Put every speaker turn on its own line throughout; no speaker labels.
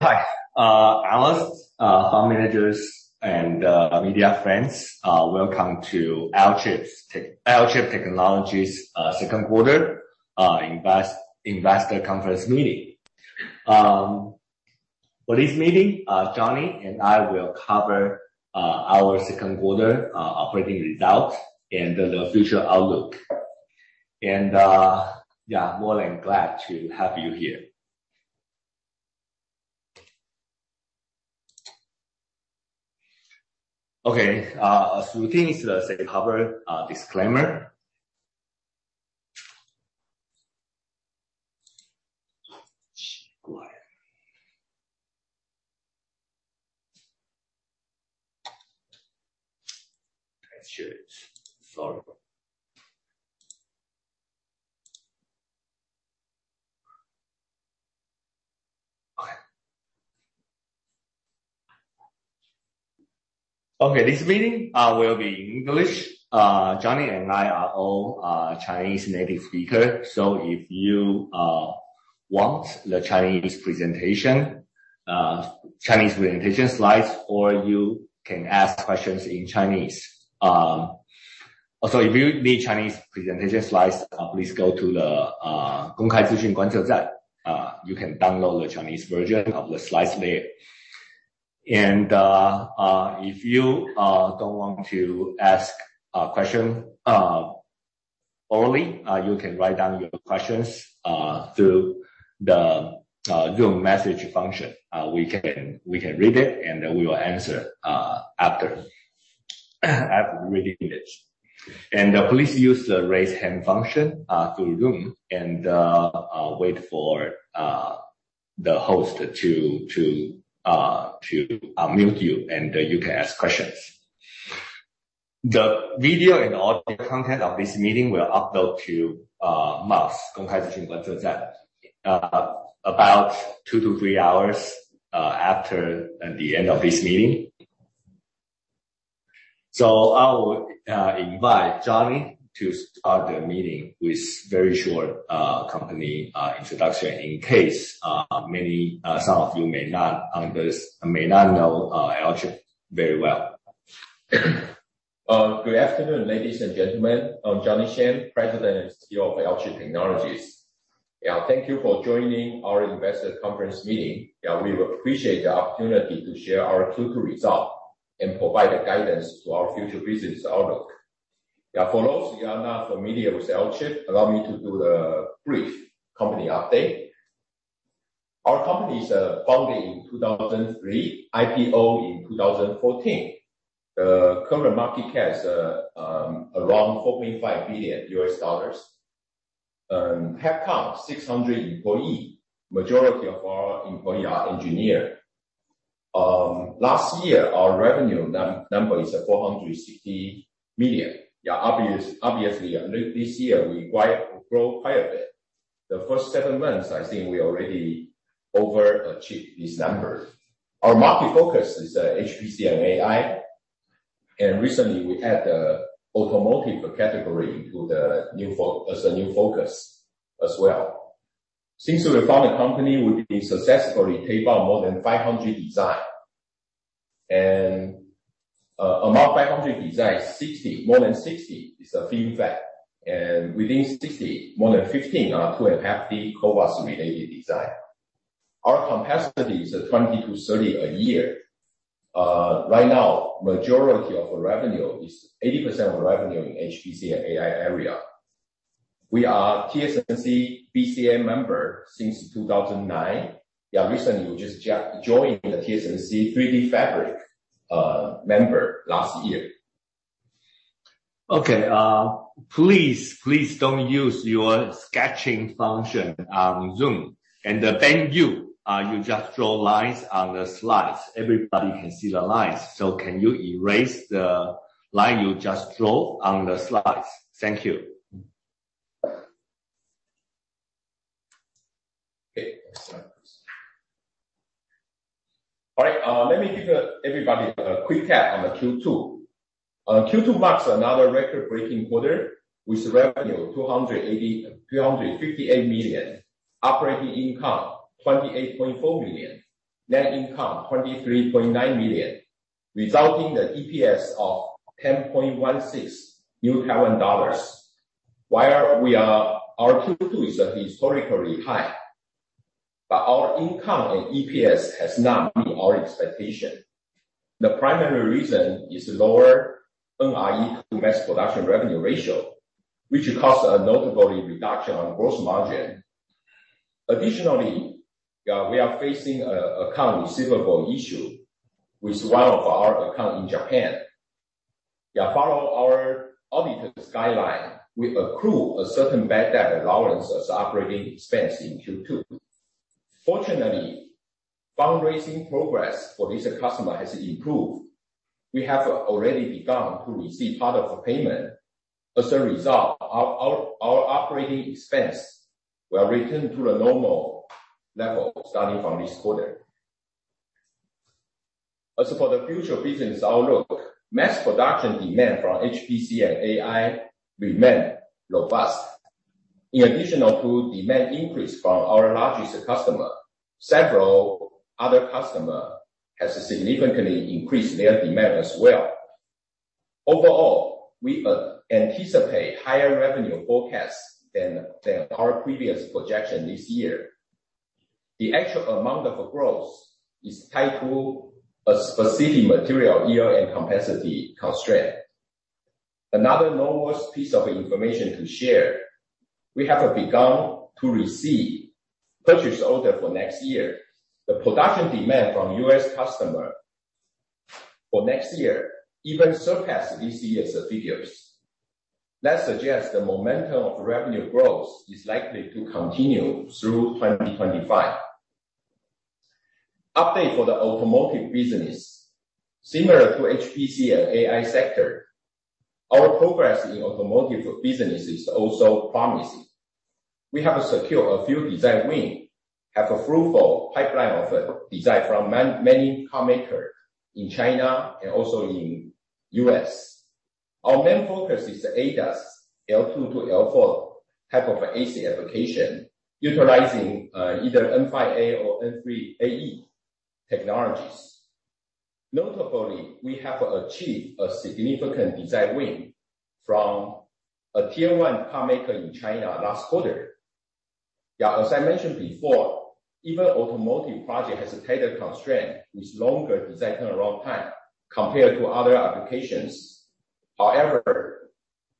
Hi, analysts, fund managers, and media friends. Welcome to Alchip Technologies' second quarter investor conference meeting. For this meeting, Johnny and I will cover our second quarter operating results and the future outlook. Yeah, more than glad to have you here. Okay, a few things to cover, disclaimer. I share it. Sorry about that. Okay. Okay, this meeting will be in English. Johnny and I are all Chinese native speaker, so if you want the Chinese presentation, Chinese presentation slides, or you can ask questions in Chinese. If you need Chinese presentation slides, please go to the 公开资讯观测站. You can download the Chinese version of the slides there. If you don't want to ask a question orally, you can write down your questions through the Zoom message function. We can, we can read it, and then we will answer after reading it. Please use the Raise Hand function through Zoom and wait for the host to unmute you, and you can ask questions. The video and audio content of this meeting will upload to MOPS, 公开资讯观测站, about two to three hours after the end of this meeting. I will invite Johnny to start the meeting with very short company introduction in case many some of you may not know Alchip very well.
Good afternoon, ladies and gentlemen. I'm Johnny Shen, President and CEO of Alchip Technologies. Thank you for joining our investor conference meeting. We appreciate the opportunity to share our Q2 result and provide the guidance to our future business outlook. For those who are not familiar with Alchip, allow me to do a brief company update. Our company is founded in 2003, IPO in 2014. The current market cap is around $4.5 billion, headcount 600 employee. Majority of our employee are engineer. Last year, our revenue number is $460 million. Yeah, obviously, this year, we grow quite a bit. The first seven months, I think we already overachieved this number. Our market focus is HPC and AI, and recently we added the automotive category to the new focus as well. Since we founded the company, we've successfully taped out more than 500 design. Among 500 designs, 60, more than 60 is a chiplet, and within 60, more than 15 are 2.5D CoWoS-related design. Our capacity is 20-30 a year. Right now, majority of the revenue is-- 80% of the revenue in HPC and AI area. We are TSMC VCA member since 2009. Yeah, recently, we just joined the TSMC 3DFabric member last year.
Okay, please, please don't use your sketching function on Zoom. Thank you. You just draw lines on the slides. Everybody can see the lines, so can you erase the line you just drew on the slides? Thank you.
Okay. All right, let me give everybody a quick cap on the Q2. Q2 marks another record-breaking quarter, with revenue $258 million. Operating income, $28.4 million. Net income, $23.9 million, resulting in the EPS of NT$10.16. While our Q2 is historically high, our income and EPS has not met our expectation. The primary reason is lower NRE to mass production revenue ratio, which caused a notable reduction on gross margin. Additionally, we are facing a account receivable issue with one of our account in Japan. Yeah, follow our auditor's guideline, we accrue a certain bad debt allowance as operating expense in Q2. Fortunately, fundraising progress for this customer has improved. We have already begun to receive part of the payment. As a result, our, our, our operating expense will return to the normal level starting from this quarter. As for the future business outlook, mass production demand from HPC and AI remain robust. In addition to demand increase from our largest customer, several other customer has significantly increased their demand as well. Overall, we anticipate higher revenue forecasts than, than our previous projection this year. The actual amount of growth is tied to a specific material yield and capacity constraint. Another enormous piece of information to share, we have begun to receive purchase order for next year. The production demand from U.S. customer for next year even surpassed this year's figures. That suggests the momentum of revenue growth is likely to continue through 2025. Update for the automotive business. Similar to HPC and AI sector, our progress in automotive business is also promising. We have secured a few design win, have a fruitful pipeline of design from many carmaker in China and also in U.S. Our main focus is the ADAS L2-L4 type of ASIC application, utilizing either N5A or N3AE technologies. Notably, we have achieved a significant design win from a tier one carmaker in China last quarter. Yeah, as I mentioned before, even automotive project has a tighter constraint with longer design and roll time compared to other applications. However,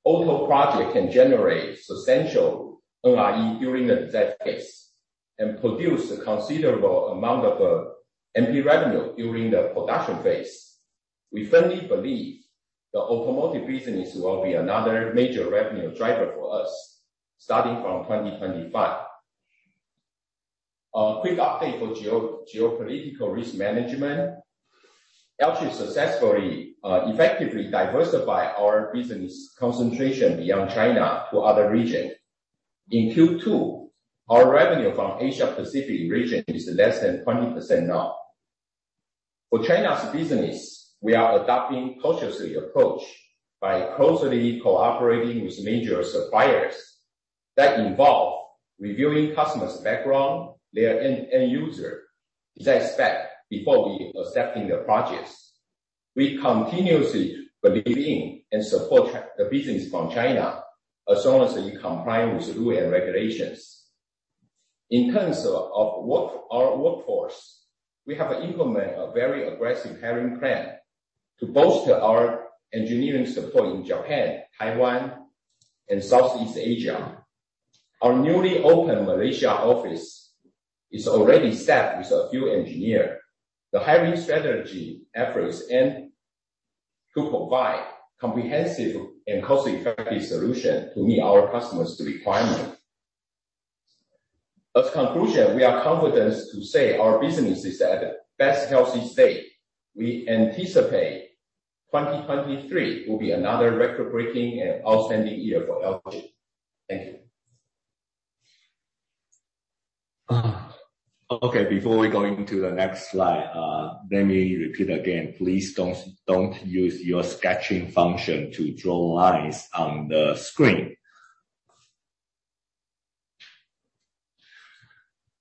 auto project can generate substantial NRE during the design phase and produce a considerable amount of MP revenue during the production phase. We firmly believe the automotive business will be another major revenue driver for us starting from 2025. A quick update for geopolitical risk management. Alchip successfully effectively diversify our business concentration beyond China to other region. In Q2, our revenue from Asia Pacific region is less than 20% now. For China's business, we are adopting cautiously approach by closely cooperating with major suppliers. That involve reviewing customer's background, their end user, design spec, before we accepting the projects. We continuously believe in and support the business from China, as long as you comply with the rule and regulations. In terms of our workforce, we have implemented a very aggressive hiring plan to bolster our engineering support in Japan, Taiwan, and Southeast Asia. Our newly opened Malaysia office is already staffed with a few engineer. The hiring strategy efforts aim to provide comprehensive and cost-effective solution to meet our customers' requirement. As conclusion, we are confident to say our business is at the best healthy state. We anticipate 2023 will be another record-breaking and outstanding year for Alchip. Thank you.
Okay, before we go into the next slide, let me repeat again, please don't, don't use your sketching function to draw lines on the screen.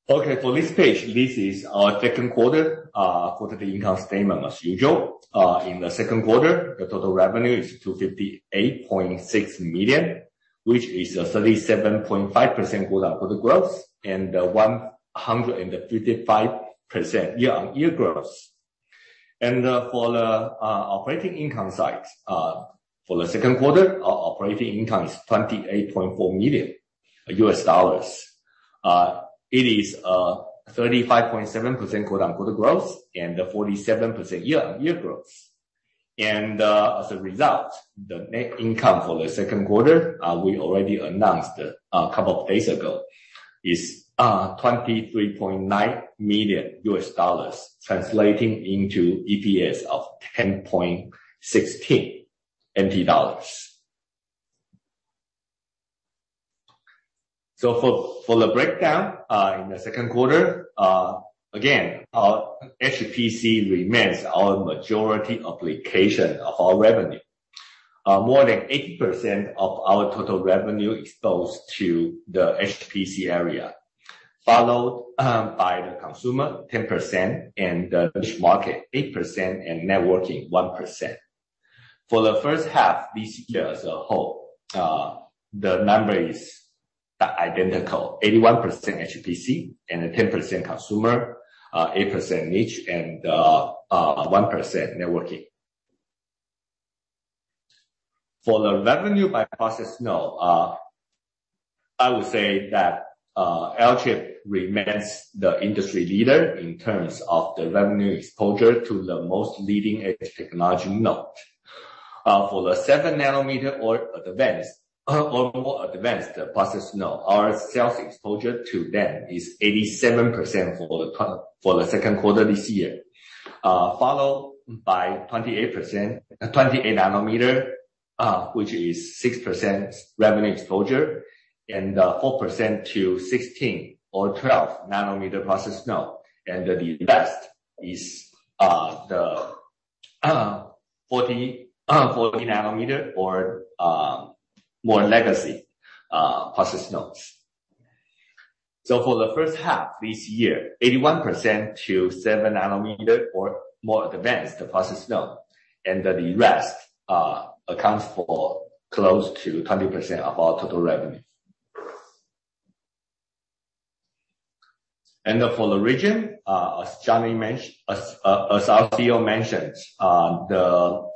Okay, for this page, this is our second quarter, quarter of the income statement, as usual. In the second quarter, the total revenue is $258.6 million, which is a 37.5% quarter-over-quarter growth, and a 155% year-on-year growth. For the operating income side, for the second quarter, our operating income is $28.4 million. It is 35.7% quarter-over-quarter growth and 47% year-on-year growth. As a result, the net income for the second quarter, we already announced a couple of days ago, is $23.9 million, translating into EPS of NT$10.16. For, for the breakdown, in the second quarter, again, our HPC remains our majority application of our revenue. More than 80% of our total revenue exposed to the HPC area, followed by the consumer, 10%, and the niche market, 8%, and networking, 1%. For the first half, this year as a whole, the number is identical, 81% HPC and a 10% consumer, 8% niche and 1% networking. For the revenue by process node, I would say that Alchip remains the industry leader in terms of the revenue exposure to the most leading-edge technology node. For the 7-nanometer or advanced, or more advanced process node, our sales exposure to them is 87% for the for the second quarter this year, followed by 28%, 28-nanometer.... which is 6% revenue exposure, 4% to 16 or 12 nanometer process node. The best is the 40 40 nanometer or more legacy process nodes. For the first half this year, 81% to 7 nanometer or more advanced the process node, the rest accounts for close to 20% of our total revenue. For the region, as Johnny mentioned-- as our CEO mentioned, the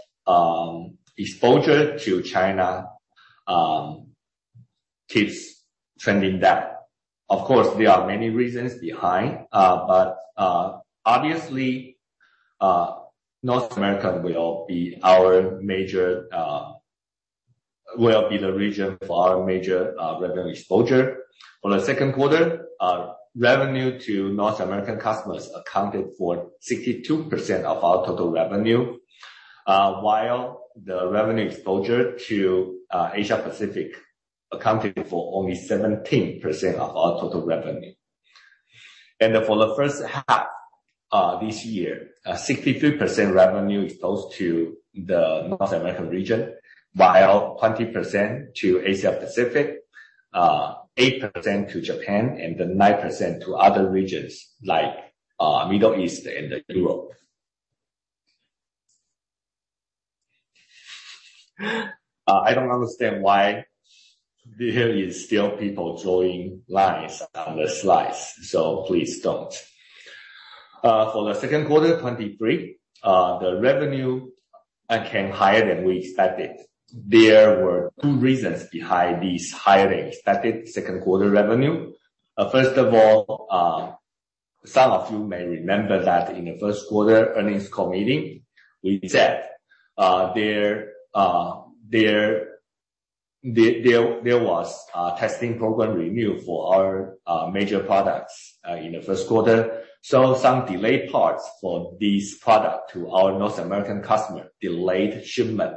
exposure to China keeps trending down. Of course, there are many reasons behind, but obviously North America will be our major, will be the region for our major revenue exposure. For the 2nd quarter, revenue to North American customers accounted for 62% of our total revenue, while the revenue exposure to Asia Pacific accounted for only 17% of our total revenue. For the 1st half this year, 63% revenue exposed to the North American region, while 20% to Asia Pacific, 8% to Japan, then 9% to other regions like Middle East and Europe. I don't understand why there is still people drawing lines on the slides, so please don't. For the 2nd quarter 2023, the revenue came higher than we expected. There were two reasons behind this higher-than-expected 2nd quarter revenue. First of all, some of you may remember that in the first quarter earnings call meeting, we said there, there, there, there was a testing program renew for our major products in the first quarter. Some delayed parts for this product to our North American customer delayed shipment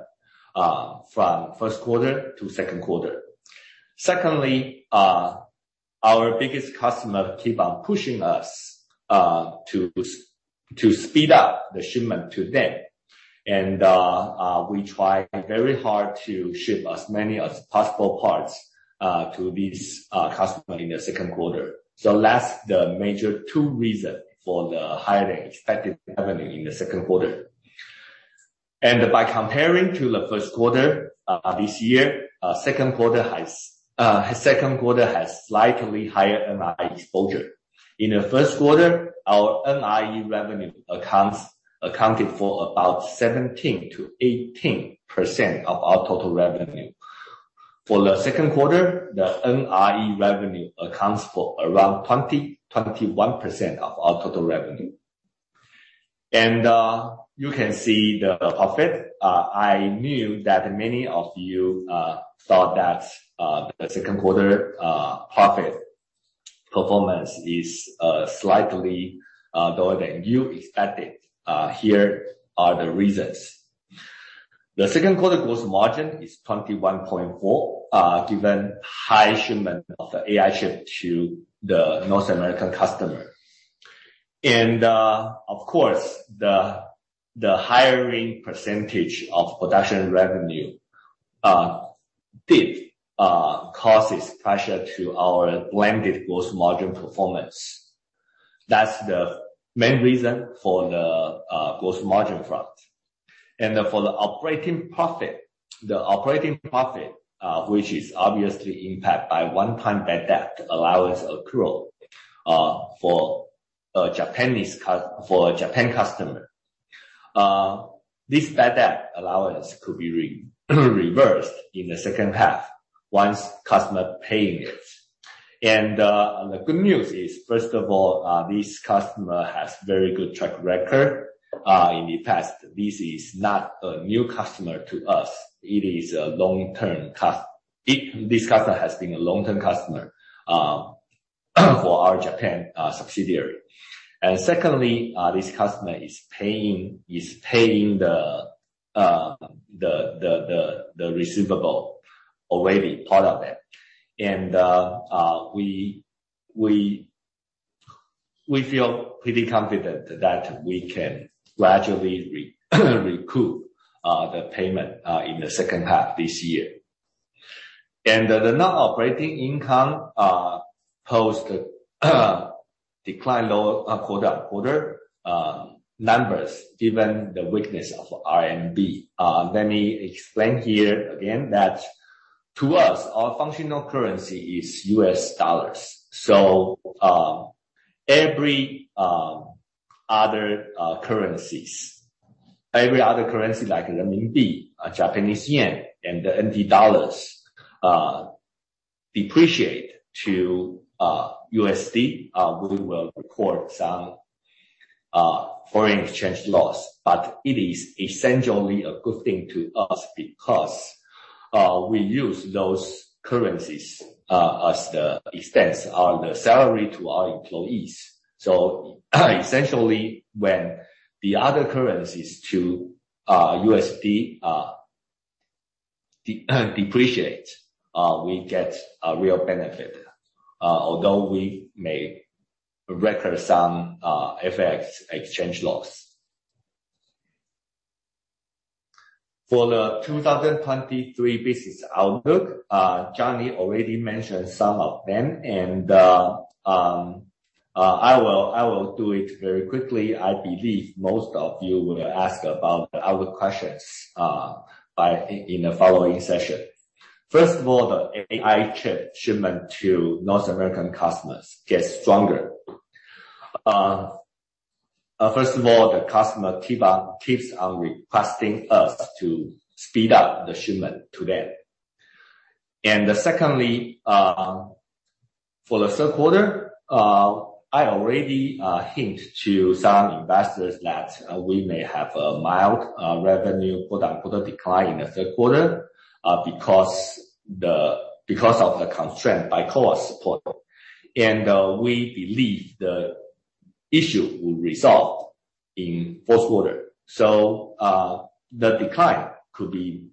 from first quarter to second quarter. Secondly, our biggest customer keep on pushing us to speed up the shipment to them. We try very hard to ship as many as possible parts to this customer in the second quarter. That's the major two reason for the higher-than-expected revenue in the second quarter. By comparing to the first quarter, this year, second quarter has, second quarter has slightly higher NRE exposure. In the first quarter, our NRE revenue accounts, accounted for about 17%-18% of our total revenue. For the second quarter, the NRE revenue accounts for around 20%-21% of our total revenue. You can see the profit. I knew that many of you thought that the second quarter profit performance is slightly lower than you expected. Here are the reasons. The second quarter gross margin is 21.4, given high shipment of the AI chip to the North American customer. Of course, the higher percentage of production revenue did causes pressure to our blended gross margin performance. That's the main reason for the gross margin front. For the operating profit, the operating profit, which is obviously impacted by one-time bad debt allowance accrual, for Japan customer. This bad debt allowance could be reversed in the second half once customer paying it. The good news is, first of all, this customer has very good track record in the past. This is not a new customer to us. This customer has been a long-term customer for our Japan subsidiary. Secondly, this customer is paying the receivable, already part of it. We feel pretty confident that we can gradually recoup the payment in the second half this year. The non-operating income, posed, declined lower, quarter-on-quarter numbers, given the weakness of RMB. Let me explain here again that to us, our functional currency is USD. Every other currencies, every other currency, like the RMB, JPY, and the NTD, depreciate to USD, we will record some foreign exchange loss. It is essentially a good thing to us because-... we use those currencies as the expense on the salary to our employees. Essentially, when the other currencies to USD, depreciate, we get a real benefit, although we may record some FX exchange loss. For the 2023 business outlook, Johnny already mentioned some of them, and I will do it very quickly. I believe most of you will ask about other questions in the following session. First of all, the AI chip shipment to North American customers gets stronger. First of all, the customer keeps on requesting us to speed up the shipment to them. Secondly, for the 3rd quarter, I already hint to some investors that we may have a mild revenue quarter-on-quarter decline in the 3rd quarter because of the constraint by CoWoS support. We believe the issue will resolve in 4th quarter. The decline could be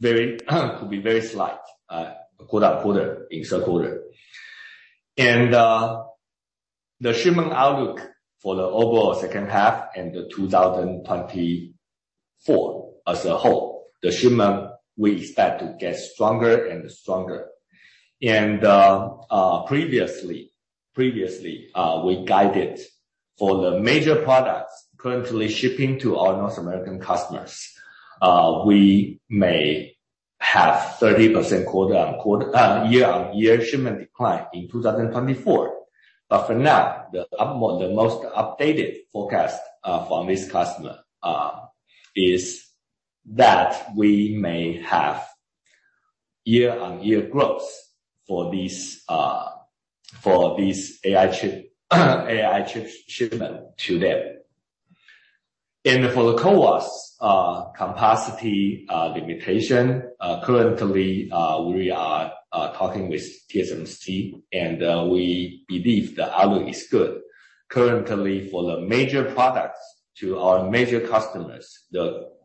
very slight quarter-on-quarter in 2nd quarter. The shipment outlook for the overall second half and the 2024 as a whole, the shipment we expect to get stronger and stronger. Previously, previously, we guided for the major products currently shipping to our North American customers, we may have 30% quarter-on-quarter, year-on-year shipment decline in 2024. For now, the most updated forecast from this customer is that we may have year-on-year growth for these, for these AI chip, AI chip shipment to them. For the CoWoS capacity limitation, currently, we are talking with TSMC, and we believe the outlook is good. Currently, for the major products to our major customers,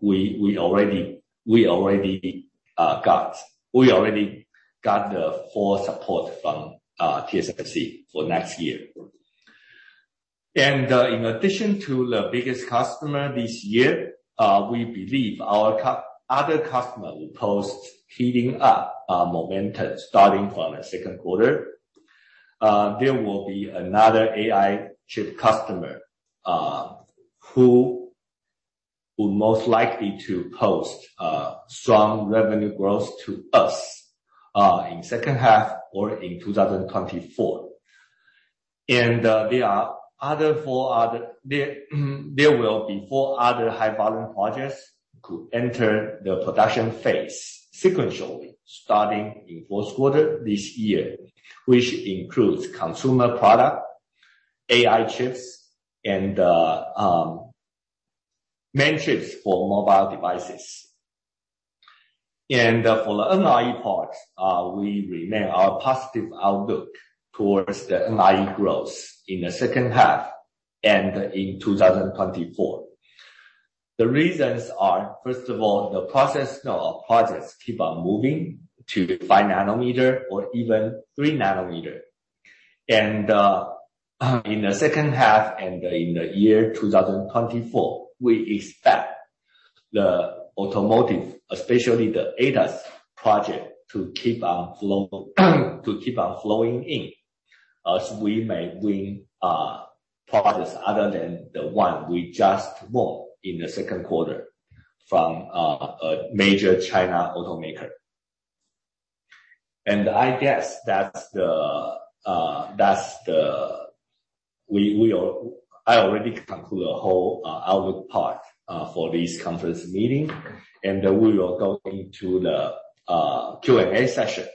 we, we already, we already, got, we already got the full support from TSMC for next year. In addition to the biggest customer this year, we believe our other customer will post heating up momentum starting from the 2Q. There will be another AI chip customer, who will most likely to post strong revenue growth to us, in 2H or in 2024. There will be four other high-volume projects could enter the production phase sequentially, starting in 4Q this year, which includes consumer product, AI chips, and main chips for mobile devices. For the NRE part, we remain our positive outlook towards the NRE growth in the 2H and in 2024. The reasons are, first of all, the process of projects keep on moving to 5 nanometer or even 3 nanometer. in the second half and in the year 2024, we expect the automotive, especially the ADAS project, to keep on flowing in, as we may win products other than the one we just won in the second quarter from a major China automaker. I guess that's the I already conclude the whole outlook part for this conference meeting, we will go into the Q&A session.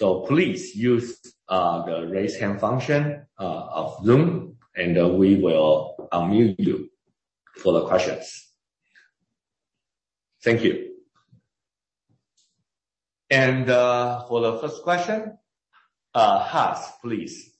Please use the raise hand function of Zoom, we will unmute you for the questions. Thank you. For the first question, Mark, please.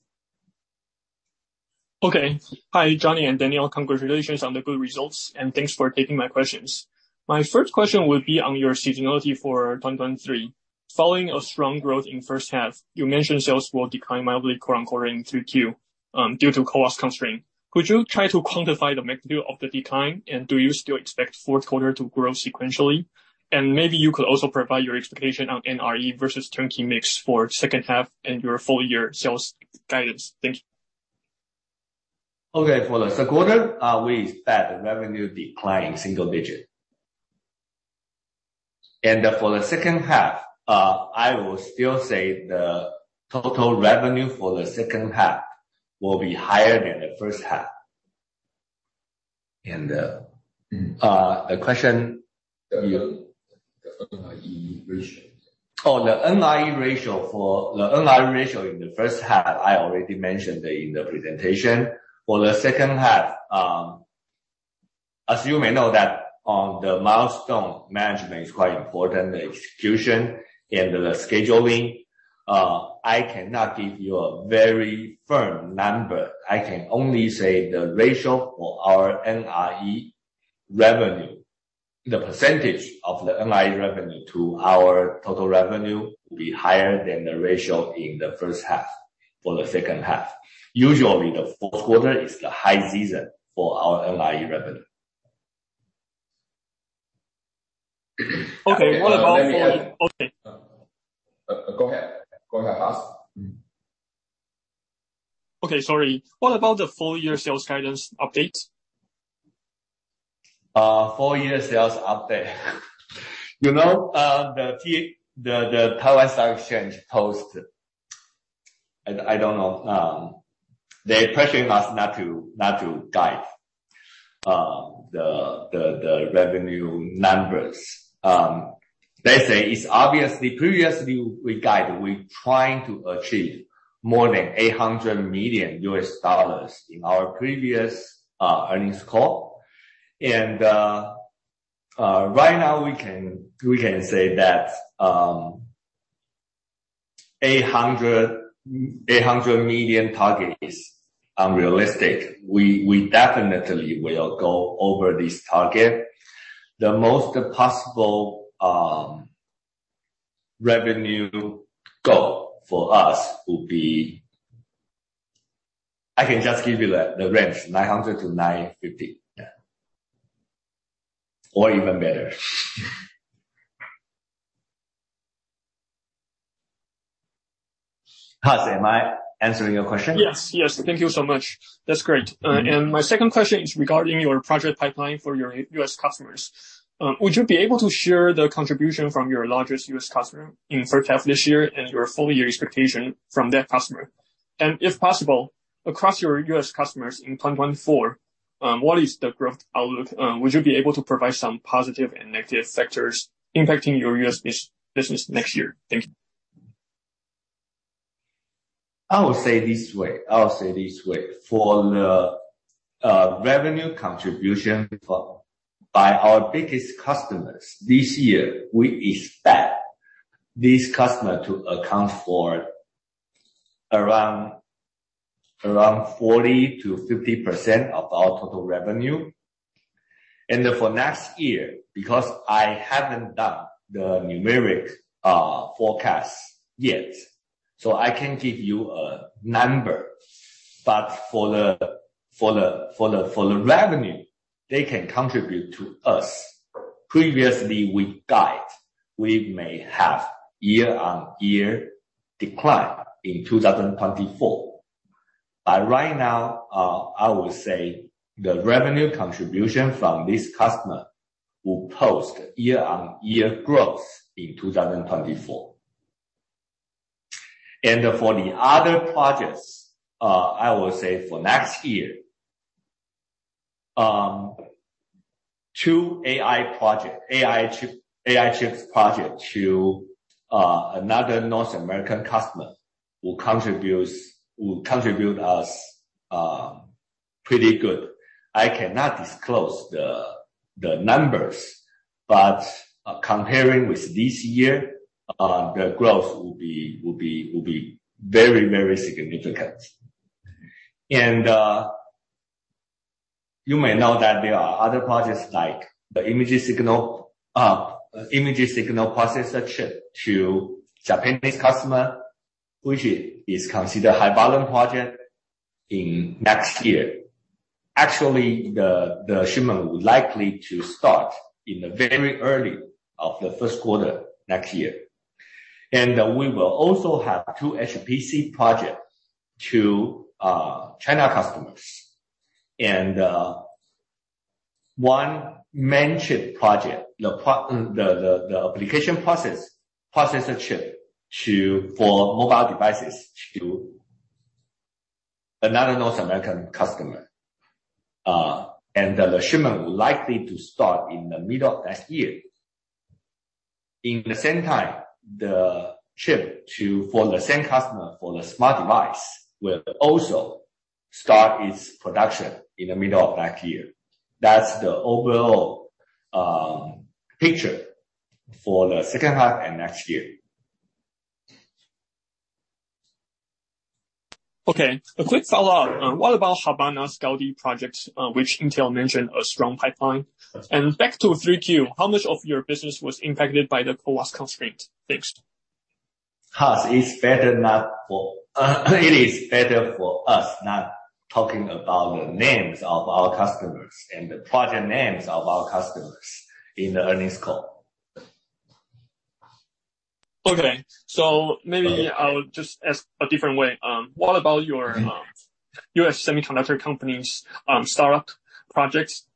Okay. Hi, Johnny and Daniel. Congratulations on the good results, and thanks for taking my questions. My first question would be on your seasonality for 2023. Following a strong growth in first half, you mentioned sales will decline mildly quarter-over-quarter in 2Q due to CoWoS constraint. Could you try to quantify the magnitude of the decline, and do you still expect fourth quarter to grow sequentially? Maybe you could also provide your expectation on NRE versus turnkey mix for second half and your full year sales guidance. Thank you.
Okay, for the second quarter, we expect the revenue decline in single digit. For the second half, I will still say the total revenue for the second half will be higher than the first half. The question.
The NRE ratio?
The NRE ratio in the first half, I already mentioned in the presentation. For the second half, as you may know, that on the milestone management is quite important, the execution and the scheduling. I cannot give you a very firm number. I can only say the ratio for our NRE revenue, the percentage of the NRE revenue to our total revenue will be higher than the ratio in the first half for the second half. Usually, the fourth quarter is the high season for our NRE revenue.
Okay, what about the-
Go ahead. Go ahead, ask.
Okay, sorry. What about the full year sales guidance update?
full year sales update. You know, the Taiwan Stock Exchange post, and I don't know, they're pressuring us not to, not to guide the revenue numbers. They say it's obviously previously we guide, we're trying to achieve more than $800 million in our previous earnings call. Right now, we can, we can say that $800 million target is unrealistic. We, we definitely will go over this target. The most possible revenue goal for us will be... I can just give you the, the range, $900-$950. Yeah. Or even better. Mark, am I answering your question?
Yes. Yes. Thank you so much. That's great.
Mm-hmm.
My second question is regarding your project pipeline for your U.S. customers. Would you be able to share the contribution from your largest U.S. customer in first half this year and your full year expectation from that customer? If possible, across your U.S. customers in 2024, what is the growth outlook? Would you be able to provide some positive and negative factors impacting your U.S. business next year? Thank you.
I will say this way, I will say this way. For the revenue contribution from, by our biggest customers this year, we expect this customer to account for around, around 40%-50% of our total revenue. For next year, because I haven't done the numeric forecast yet, so I can't give you a number, but for the, for the, for the, for the revenue they can contribute to us, previously we guide, we may have year-on-year decline in 2024. Right now, I will say the revenue contribution from this customer will post year-on-year growth in 2024. For the other projects, I will say for next year, two AI project, AI chip, AI chips project to another North American customer will contributes, will contribute us pretty good. I cannot disclose the numbers, but comparing with this year, the growth will be very, very significant. You may know that there are other projects like the Image Signal Processor chip to Japanese customer, which is considered high-volume project in next year. Actually, the shipment would likely to start in the very early of the first quarter next year. We will also have two HPC projects to China customers. One main chip project, the application processor chip to, for mobile devices to another North American customer. The shipment will likely to start in the middle of next year. In the same time, the chip for the same customer for the smart device will also start its production in the middle of next year. That's the overall picture for the second half and next year.
Okay, a quick follow-up. what about Habana Gaudi projects, which Intel mentioned a strong pipeline? Back to 3Q, how much of your business was impacted by the CoWoS constraint? Thanks.
Mark, it is better for us not talking about the names of our customers and the project names of our customers in the earnings call.
Okay. Maybe I'll just ask a different way. What about your, U.S. semiconductor company's, startup projects?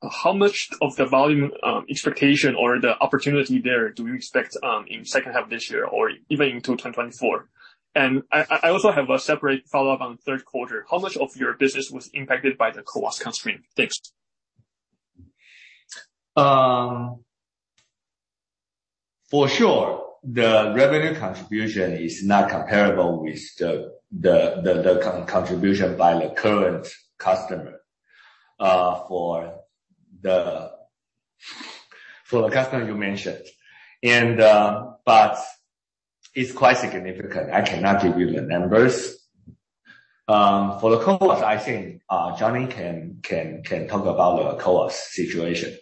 How much of the volume, expectation or the opportunity there do you expect, in second half of this year or even into 2024? I, I, I also have a separate follow-up on the third quarter. How much of your business was impacted by the CoWoS constraint? Thanks.
For sure, the revenue contribution is not comparable with the contribution by the current customer, for the, for the customer you mentioned. It's quite significant. I cannot give you the numbers. For the CoWoS, I think Johnny can talk about the CoWoS situation.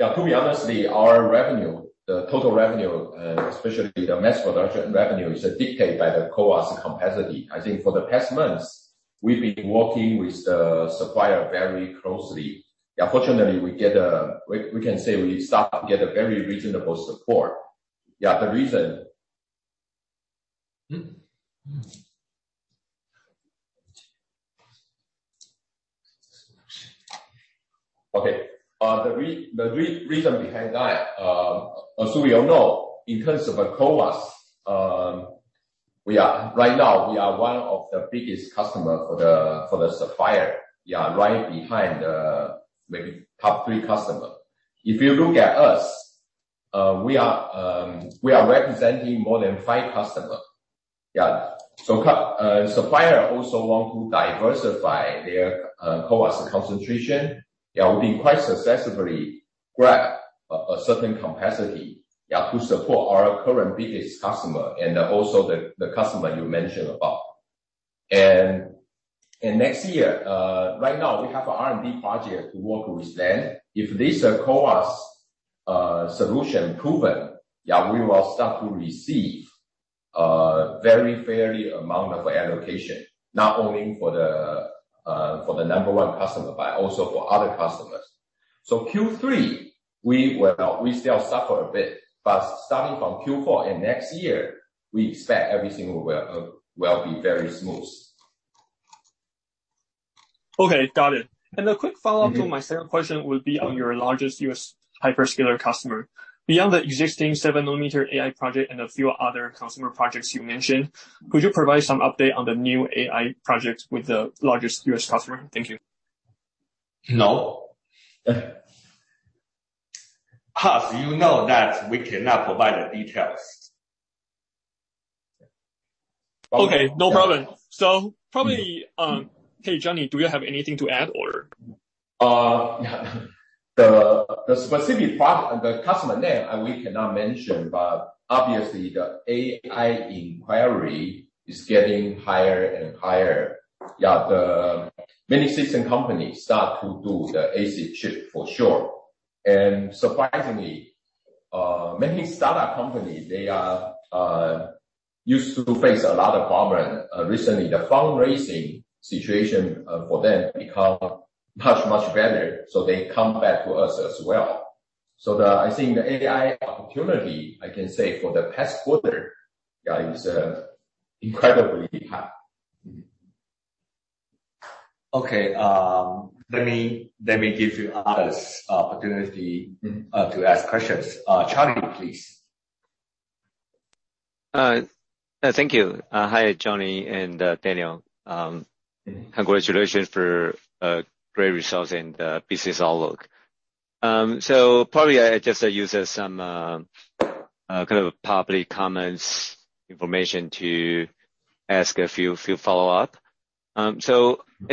To be honest, our revenue, the total revenue, especially the mass production revenue, is dictated by the CoWoS capacity. I think for the past months, we've been working with the supplier very closely. Fortunately, we, we can say we start to get a very reasonable support. The reason behind that, as we all know, in terms of the CoWoS, right now, we are one of the biggest customer for the, for the supplier. Right behind the maybe top three customer. If you look at us, we are representing more than five customer. Supplier also want to diversify their CoWoS concentration. Yeah, we've been quite successfully grab a certain capacity, yeah, to support our current biggest customer and also the customer you mentioned about. Next year, right now we have a R&D project to work with them. If this CoWoS solution proven, yeah, we will start to receive a very fair amount of allocation, not only for the number one customer, but also for other customers. Q3, we still suffer a bit, but starting from Q4 and next year, we expect everything will be very smooth.
Okay, got it. A quick follow-up to my second question would be on your largest U.S. hyperscaler customer. Beyond the existing 7-nanometer AI project and a few other customer projects you mentioned, could you provide some update on the new AI projects with the largest U.S. customer? Thank you.
No. As you know that we cannot provide the details.
Okay, no problem. Probably, hey, Johnny, do you have anything to add or?
Yeah. The specific pro... the customer name, we cannot mention, but obviously the AI inquiry is getting higher and higher. Yeah, many system companies start to do the ASIC chip for sure. Surprisingly, many startup companies, they are used to face a lot of problem. Recently, the fundraising situation for them become much, much better, so they come back to us as well. I think the AI opportunity, I can say for the past quarter, yeah, it was incredibly high.
Okay, let me, let me give you others opportunity to ask questions. Charlie, please.
Thank you. Hi, Johnny and Daniel. Congratulations for great results and business outlook. Probably I just use some kind of public comments, information to ask a few, few follow-up. At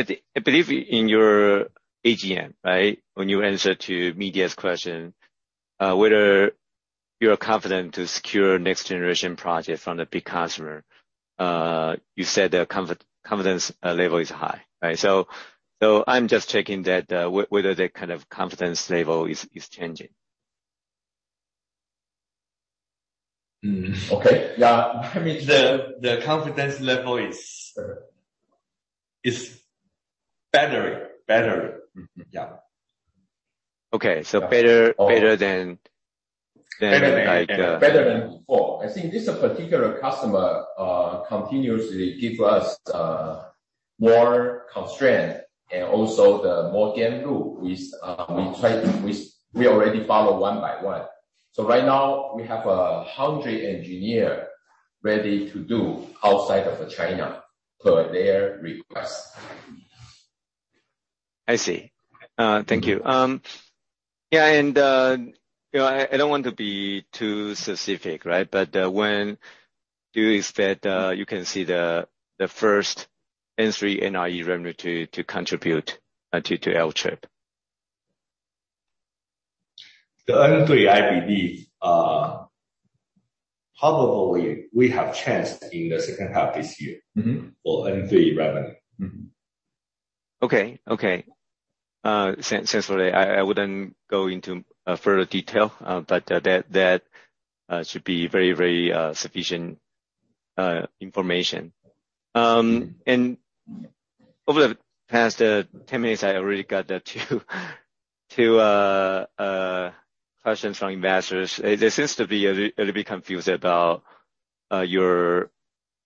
the- I believe in your AGM, right? When you answered to media's question, whether you're confident to secure next generation project from the big customer, you said the confidence level is high, right? I'm just checking that whether the kind of confidence level is, is changing.
Hmm. Okay. Yeah, I mean-
The confidence level is better. Better. Mm-hmm. Yeah.
Okay. better, better than, than like...
Better than before. I think this particular customer, continuously give us, more constraint and also the more game rule, which, we try to. We, we already follow one by one. So right now, we have 100 engineer ready to do outside of China per their request.
I see. Thank you. Yeah, you know, I, I don't want to be too specific, right? When do you expect, you can see the, the first N3 NRE revenue to, to contribute, to, to Alchip?
The N3, I believe, probably we have chance in the second half this year.
Mm-hmm.
For N3 revenue.
Mm-hmm.
Okay. Okay. since I, I wouldn't go into further detail, that, that should be very, very sufficient information. Over the past 10 minutes, I already got the two, two questions from investors. There seems to be a little bit confused about your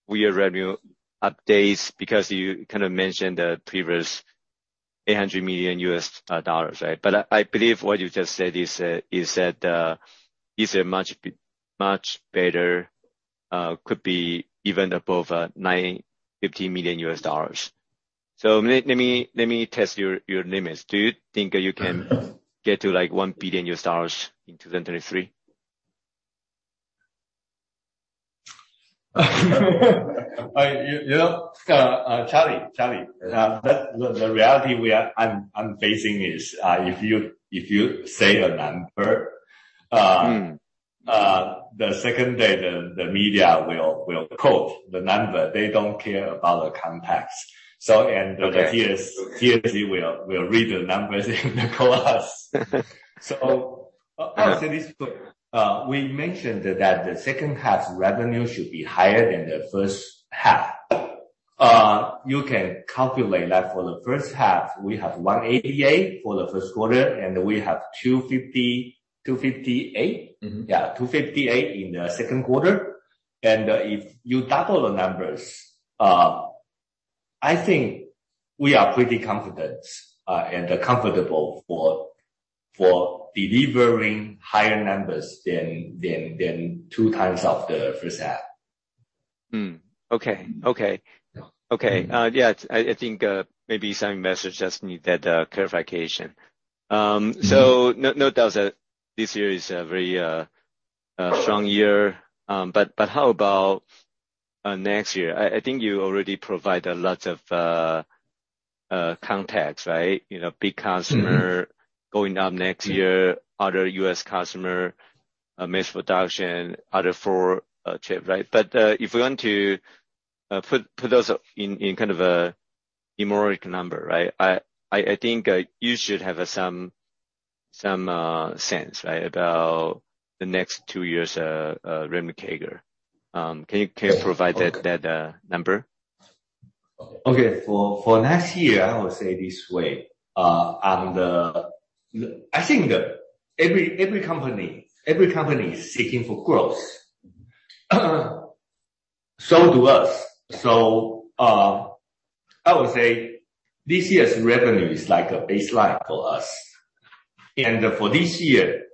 weird revenue updates, because you kind of mentioned the previous $800 million, right? I, I believe what you just said is is that is a much much better-... could be even above $950 million. Let, let me, let me test your, your limits. Do you think you can get to, like, $1 billion in 2023?
You know, Charlie, the reality I'm facing is, if you say a number,
Mm.
The second day, the media will quote the number. They don't care about the context. TSMC will read the numbers in the columns. I'll say this, we mentioned that the second half's revenue should be higher than the first half. You can calculate that for the first half, we have $188 for the first quarter, and we have $258?
Mm-hmm.
Yeah, 258 in the second quarter. If you double the numbers, I think we are pretty confident and comfortable for delivering higher numbers than 2x of the first half.
Hmm. Okay. Okay.
Yeah.
Okay, yeah, I, I think, maybe some investors just need that clarification. No, no doubts that this year is a very strong year, but how about next year? I, I think you already provided a lot of context, right? You know, big customer-
Mm-hmm.
going up next year, other U.S. customer, mass production, other four, chip, right? If we want to put, put those in, in kind of a numeric number, right? I, I, I think, you should have some, some, sense, right, about the next two years, revenue CAGR? Can you, can you provide that, that, number?
Okay. For, for next year, I will say this way. I think every company is seeking for growth. Do us. I would say this year's revenue is like a baseline for us. For this year,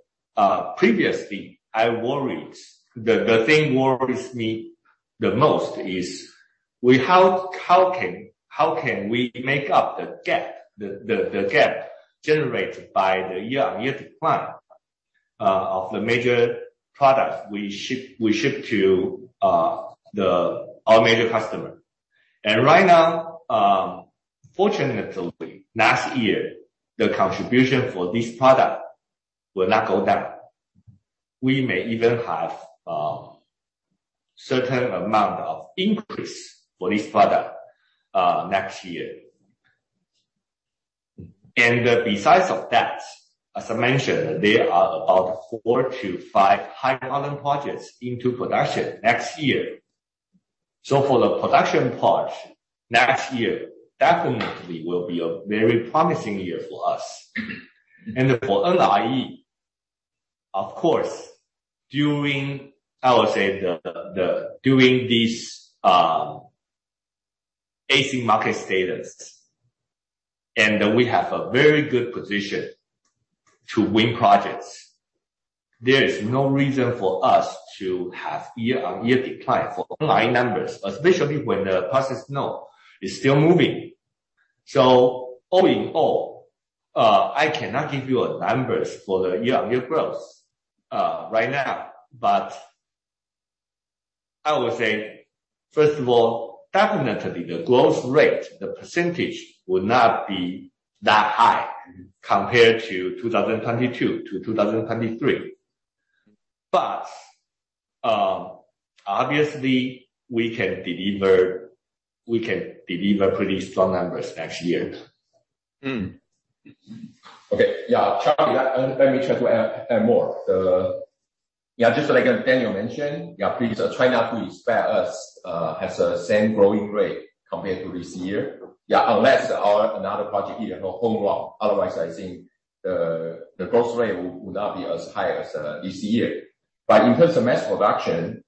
previously, I worried. The thing worries me the most is, with how can we make up the gap generated by the year-on-year decline of the major products we ship to the our major customer? Right now, fortunately, last year, the contribution for this product will not go down. We may even have, certain amount of increase for this product next year. Besides of that, as I mentioned, there are about four to five high-volume projects into production next year. For the production part, next year definitely will be a very promising year for us. For NRE, of course, during, I would say, the doing this ASIC market status, we have a very good position to win projects. There is no reason for us to have year-on-year decline for online numbers, especially when the process node is still moving. All in all, I cannot give you a numbers for the year-on-year growth right now. I would say, first of all, definitely the growth rate, the percentage, will not be that high compared to 2022 to 2023. Obviously, we can deliver, we can deliver pretty strong numbers next year.
Hmm.
Okay. Yeah, Charlie, let me try to add more. Yeah, just like Daniel mentioned, yeah, please try not to expect us as a same growing rate compared to this year. Yeah, unless our another project hit a home run. Otherwise, I think the growth rate would not be as high as this year. In terms of mass production,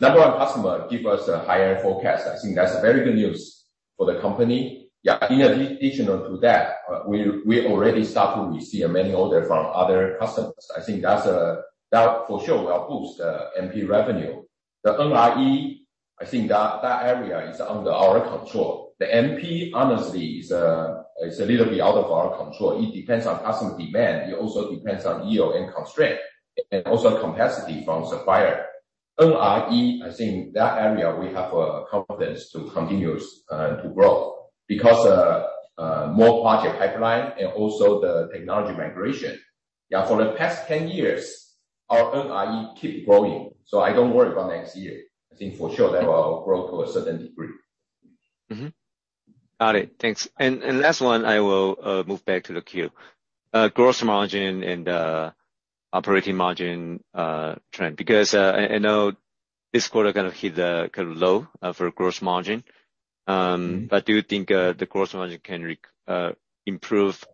number one customer give us a higher forecast. I think that's very good news for the company. Yeah, in addition to that, we already starting to receive a manual order from other customers. I think that's that for sure will boost the MP revenue. The NRE, I think that area is under our control. The MP, honestly, is a little bit out of our control. It depends on customer demand, it also depends on yield and constraint, and also capacity from supplier. NRE, I think that area we have confidence to continues to grow because more project pipeline and also the technology migration. Yeah, for the past 10 years, our NRE keep growing. I don't worry about next year. I think for sure that will grow to a certain degree.
Mm-hmm. Got it. Thanks. Last one, I will move back to the Q. gross margin and operating margin trend, because I, I know this quarter kind of hit the kind of low for gross margin. Do you think the gross margin can re improve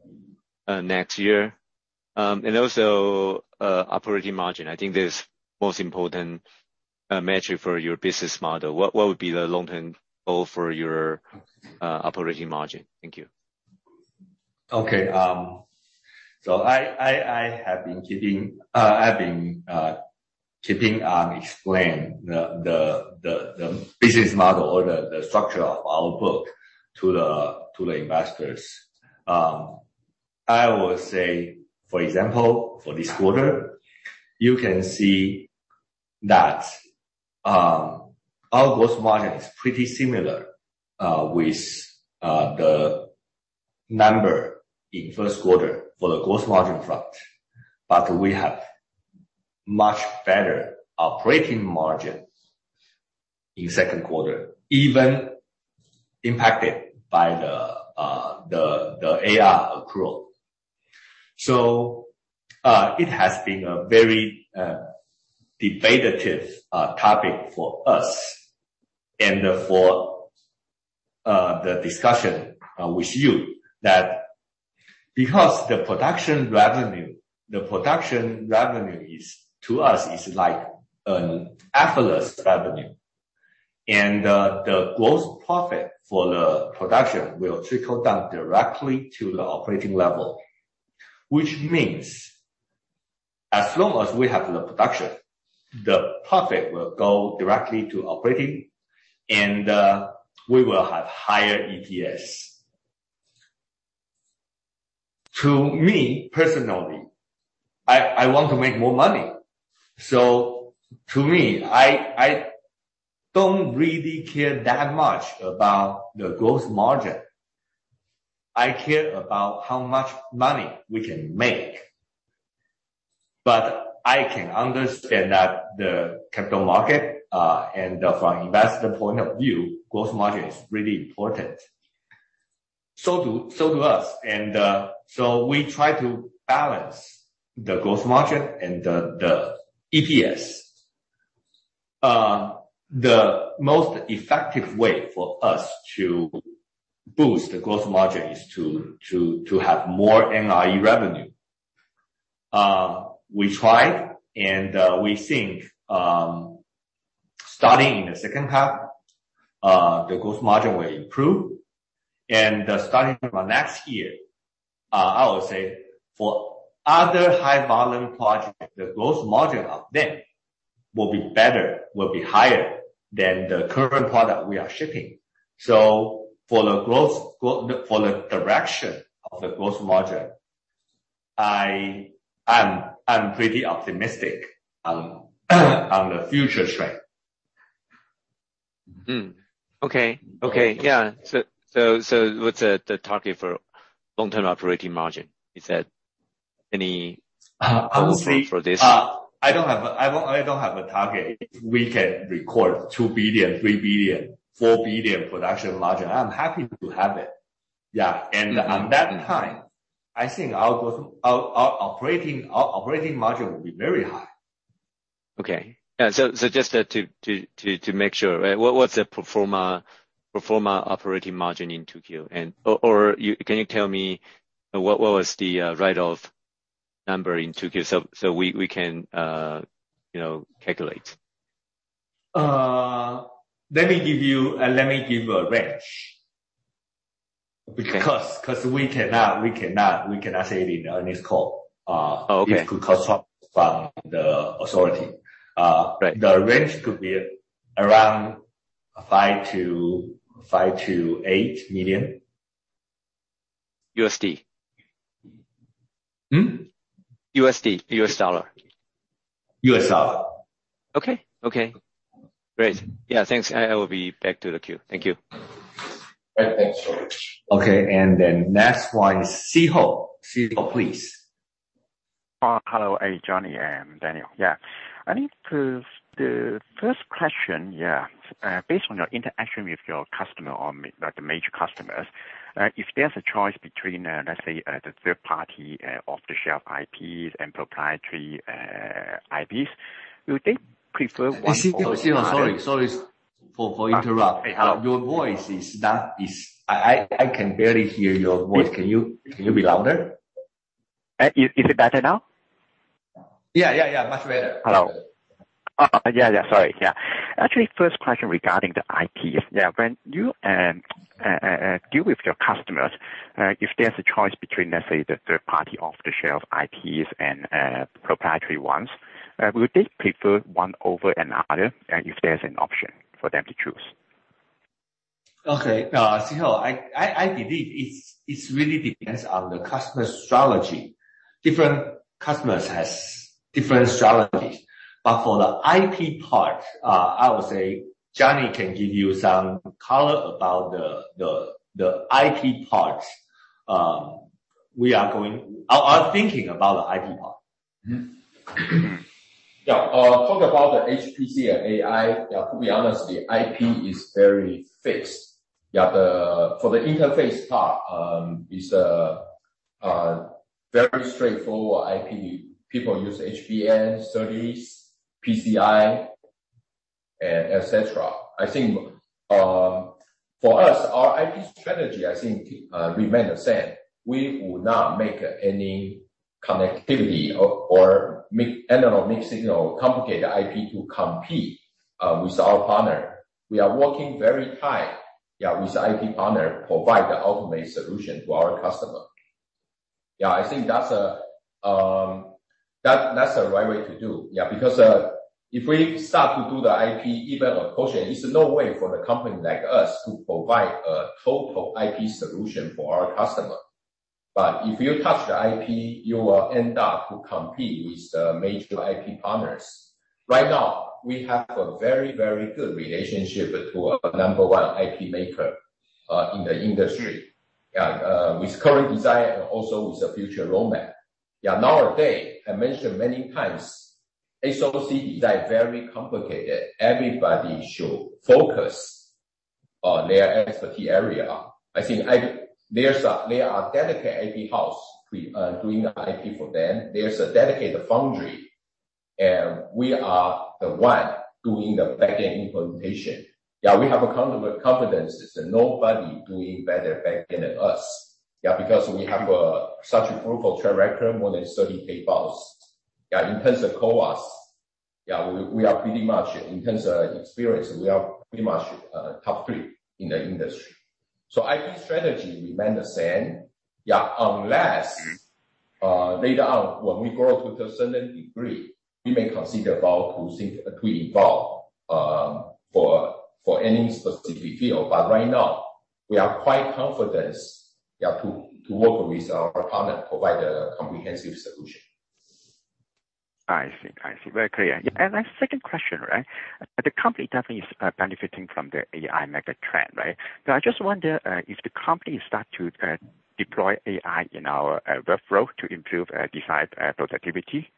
next year? Also operating margin, I think that is most important metric for your business model. What, what would be the long-term goal for your operating margin? Thank you.
Okay, I've been keeping on explain the business model or the structure of our book to the investors. I will say, for example, for this quarter, you can see that our gross margin is pretty similar with the number in first quarter for the gross margin front, but we have much better operating margin in second quarter, even impacted by the AR accrual. It has been a very debatable topic for us and for the discussion with you that because the production revenue, production revenue is, to us, is like an effortless revenue. The gross profit for the production will trickle down directly to the operating level, which means as long as we have the production, the profit will go directly to operating, we will have higher EPS. To me, personally, I, I want to make more money. To me, I, I don't really care that much about the gross margin. I care about how much money we can make. I can understand that the capital market, from investor point of view, gross margin is really important. Do, so do us, so we try to balance the gross margin and the, the EPS. The most effective way for us to boost the gross margin is to have more NRE revenue. We try, we think, starting in the second half, the gross margin will improve. Starting from next year, I would say for other high-volume project, the gross margin of them will be better, will be higher than the current product we are shipping. For the gross, go- for the direction of the gross margin, I'm, I'm pretty optimistic on the future trend.
Okay. Okay, yeah. What's the target for long-term operating margin? Is that any.
I will see-
for this?
I don't have a, I don't have a target. If we can record $2 billion, $3 billion, $4 billion production margin, I'm happy to have it. Yeah.
Mm-hmm.
At that time, I think our growth, our operating margin will be very high.
Okay. Yeah, so just to make sure, right, what's the pro forma operating margin in 2Q? Can you tell me what was the write-off number in 2Q, so we can, you know, calculate?
let me give you, let me give a range.
Okay.
Because, because we cannot, we cannot, we cannot say it in on this call.
Okay.
It could cause problems from the authority.
Right.
The range could be around $5 million-$8 million.
USD?
Hmm?
USD, U.S. dollar.
U.S. dollar.
Okay. Okay, great. Yeah, thanks. I, I will be back to the queue. Thank you.
Right. Thanks. Okay, next one is Szeho. Szeho, please.
Hello, hey, Johnny and Daniel. Yeah. I think the first question, yeah, based on your interaction with your customer or the major customers, if there's a choice between, let's say, the third party, off-the-shelf IPs and proprietary IPs, would they prefer one over another?
Szeho, sorry, sorry for interrupt.
Hey, hello.
Your voice is not is... I can barely hear your voice. Can you be louder?
Is, is it better now?
Yeah, yeah, yeah, much better.
Hello. Oh, yeah, yeah. Sorry. Yeah. Actually, first question regarding the IPs. Yeah, when you deal with your customers, if there's a choice between, let's say, the third party off-the-shelf IPs and proprietary ones, would they prefer one over another, and if there's an option for them to choose?
Okay. Szeho, I believe it's really depends on the customer's strategy. Different customers has different strategies. For the IP part, I would say Johnny can give you some color about the IP parts. Our thinking about the IP part.
Mm-hmm.
Talk about the HPC and AI, yeah, to be honest, the IP is very fixed. For the interface part, it's a very straightforward IP. People use HBM, SerDes, PCIe, and et cetera. I think, for us, our IP strategy, I think, remain the same. We would not make connectivity or, or make analog, mixed signal, complicated IP to compete with our partner. We are working very tight, yeah, with the IP partner to provide the ultimate solution to our customer. Yeah, I think that's a, that's the right way to do. If we start to do the IP, even approaching, it's no way for a company like us to provide a total IP solution for our customer. If you touch the IP, you will end up to compete with the major IP partners. Right now, we have a very, very good relationship to a number one IP maker in the industry with current design and also with the future roadmap. Yeah, nowadays, I mentioned many times, SoC design very complicated. Everybody should focus on their expertise area. I think there are dedicated IP house pre doing the IP for them. There's a dedicated foundry, and we are the one doing the back-end implementation. Yeah, we have a confidence that nobody doing better back-end than us. Yeah, because we have a such a proven track record, more than 30K+. Yeah, in terms of CoWoS, yeah, we are pretty much, in terms of experience, we are pretty much top 3 in the industry. IP strategy remain the same, yeah, unless later on, when we grow to a certain degree, we may consider about to think to involve, for, for any specific field. Right now, we are quite confident, yeah, to, to work with our partner, provide a comprehensive solution.
I see. I see. Very clear. My second question, right? The company definitely is benefiting from the AI mega trend, right? I just wonder if the company start to deploy AI in our workflow to improve design productivity?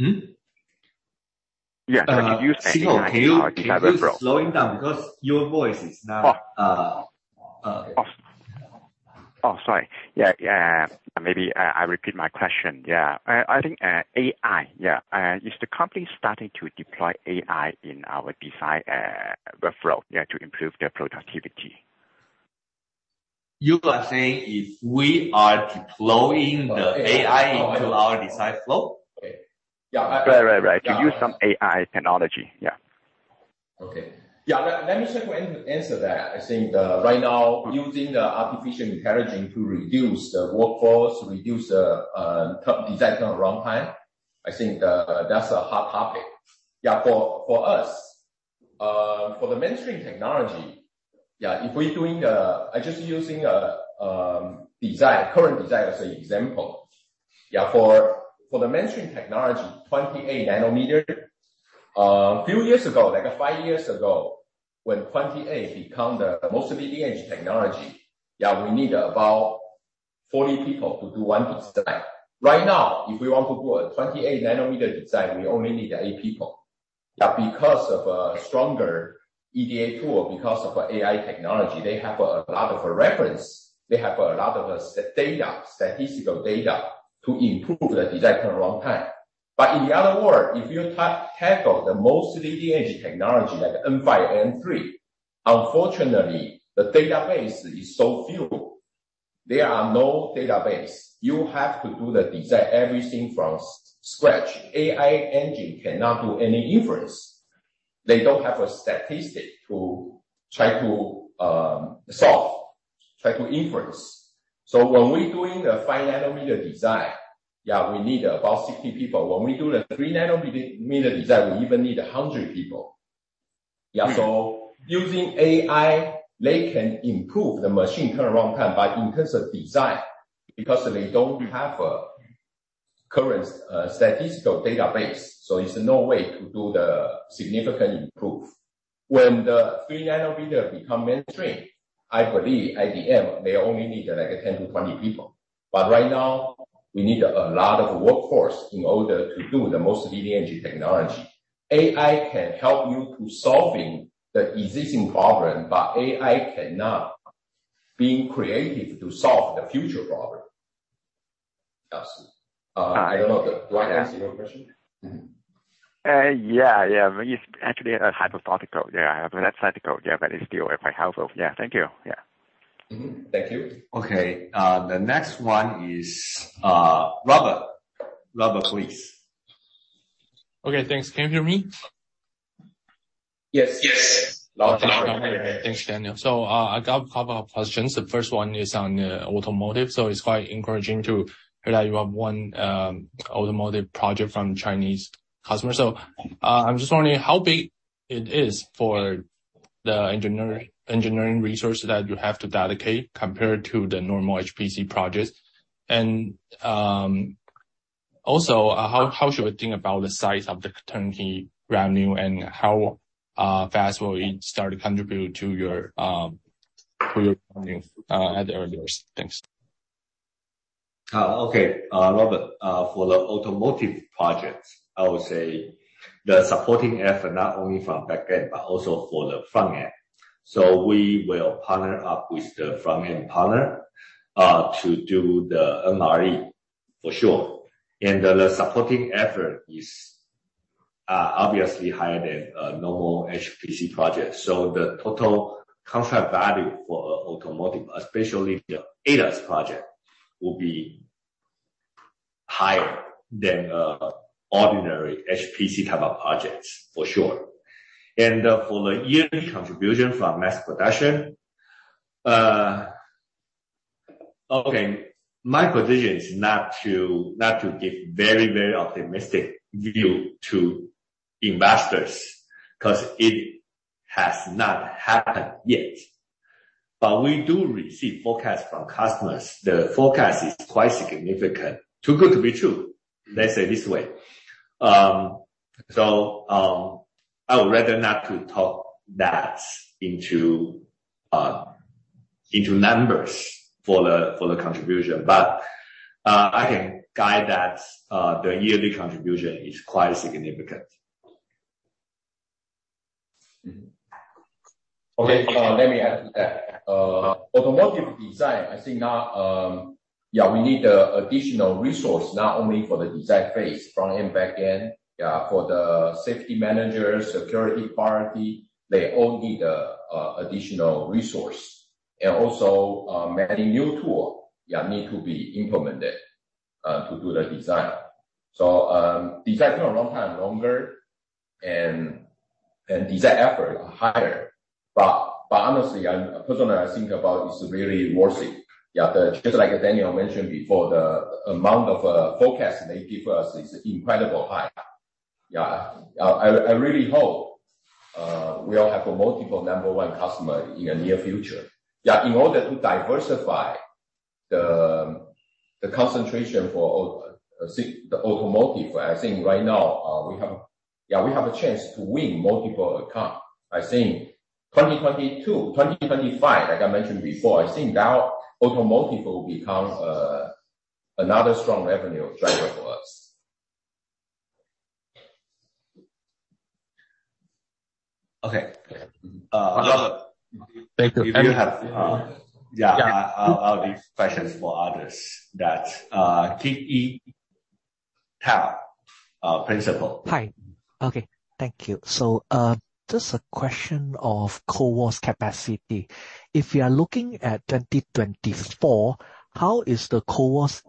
Hmm?
Yeah.
Can you, can you slowing down? Your voice is now.
Oh, sorry. Yeah, yeah. Maybe, I repeat my question. Yeah. I think, AI, yeah. Is the company starting to deploy AI in our design workflow, yeah, to improve their productivity?
You are saying if we are deploying the AI into our design flow? Yeah.
Right, right, right. To use some AI technology. Yeah.
Okay. Yeah. Let, let me try to answer that. I think, right now, using the artificial intelligence to reduce the workforce, reduce the design turnaround time, I think, that's a hot topic. Yeah, for, for us, for the mainstream technology, yeah, just using a design, current design as an example. Yeah, for, for the mainstream technology, 28 nanometer, few years ago, like five years ago, when 28 become the most leading-edge technology, yeah, we need about 40 people to do one design. Right now, if we want to do a 28 nanometer design, we only need eight people. Yeah, because of a stronger EDA tool, because of AI technology, they have a lot of reference, they have a lot of data, statistical data, to improve the design turnaround time. In the other word, if you tackle the most leading-edge technology like N5A, N3AE, unfortunately, the database is so few. There are no database. You have to do the design, everything from scratch. AI engine cannot do any inference. They don't have a statistic to try to solve, try to inference. When we're doing the 5-nanometer design, yeah, we need about 60 people. When we do the 3-nanometer design, we even need 100 people. Yeah, so using AI, they can improve the machine turnaround time, but in terms of design, because they don't have a current statistical database, so it's no way to do the significant improve. When the three-nanometer become mainstream, I believe by then, they only need like 10-20 people. Right now, we need a lot of workforce in order to do the most leading-edge technology. AI can help you to solving the existing problem, but AI cannot be creative to solve the future problem. Yes. I don't know. Do I answer your question?
Yeah, yeah. It's actually a hypothetical. Yeah, that's typical. Yeah, it's still if I have hope. Yeah. Thank you. Yeah.
Mm-hmm. Thank you.
Okay, the next one is, Robert. Robert, please.
Okay, thanks. Can you hear me?
Yes. Yes.
Thanks, Daniel. I got a couple of questions. The first one is on automotive. It's quite encouraging to hear that you have one automotive project from Chinese customer. I'm just wondering how big it is for the engineering resource that you have to dedicate compared to the normal HPC projects? Also, how should we think about the size of the turnkey revenue and how fast will it start to contribute to your earnings at the earliest? Thanks.
Robert, for the automotive projects, I would say the supporting effort, not only from back-end, but also for the front end. We will partner up with the front end partner to do the NRE for sure....
obviously higher than a normal HPC project. The total contract value for automotive, especially the ADAS project, will be higher than ordinary HPC type of projects, for sure. For the yearly contribution from mass production, okay, my position is not to, not to give very, very optimistic view to investors, because it has not happened yet. We do receive forecasts from customers. The forecast is quite significant. Too good to be true, let's say this way. I would rather not to talk that into numbers for the contribution. I can guide that the yearly contribution is quite significant. Mm-hmm. Okay, let me add to that.
Automotive design, I think now, we need additional resource, not only for the design phase, front-end, back-end, for the safety manager, security party, they all need additional resource. Many new tool need to be implemented to do the design. Design take a long time longer and design effort are higher. Honestly, and personally, I think about it's really worth it. Just like Daniel mentioned before, the amount of forecast they give us is incredible high. I, I really hope we all have a multiple number one customer in the near future. In order to diversify the concentration for the automotive, I think right now, we have a chance to win multiple account.
I think 2022, 2025, like I mentioned before, I think now automotive will become another strong revenue driver for us. Okay,
Thank you.
If you have, Yeah, I'll leave questions for others. That, Ke Tao, Principal.
Hi. Okay, thank you. Just a question of CoWoS capacity. If you are looking at 2024, how is the CoWoS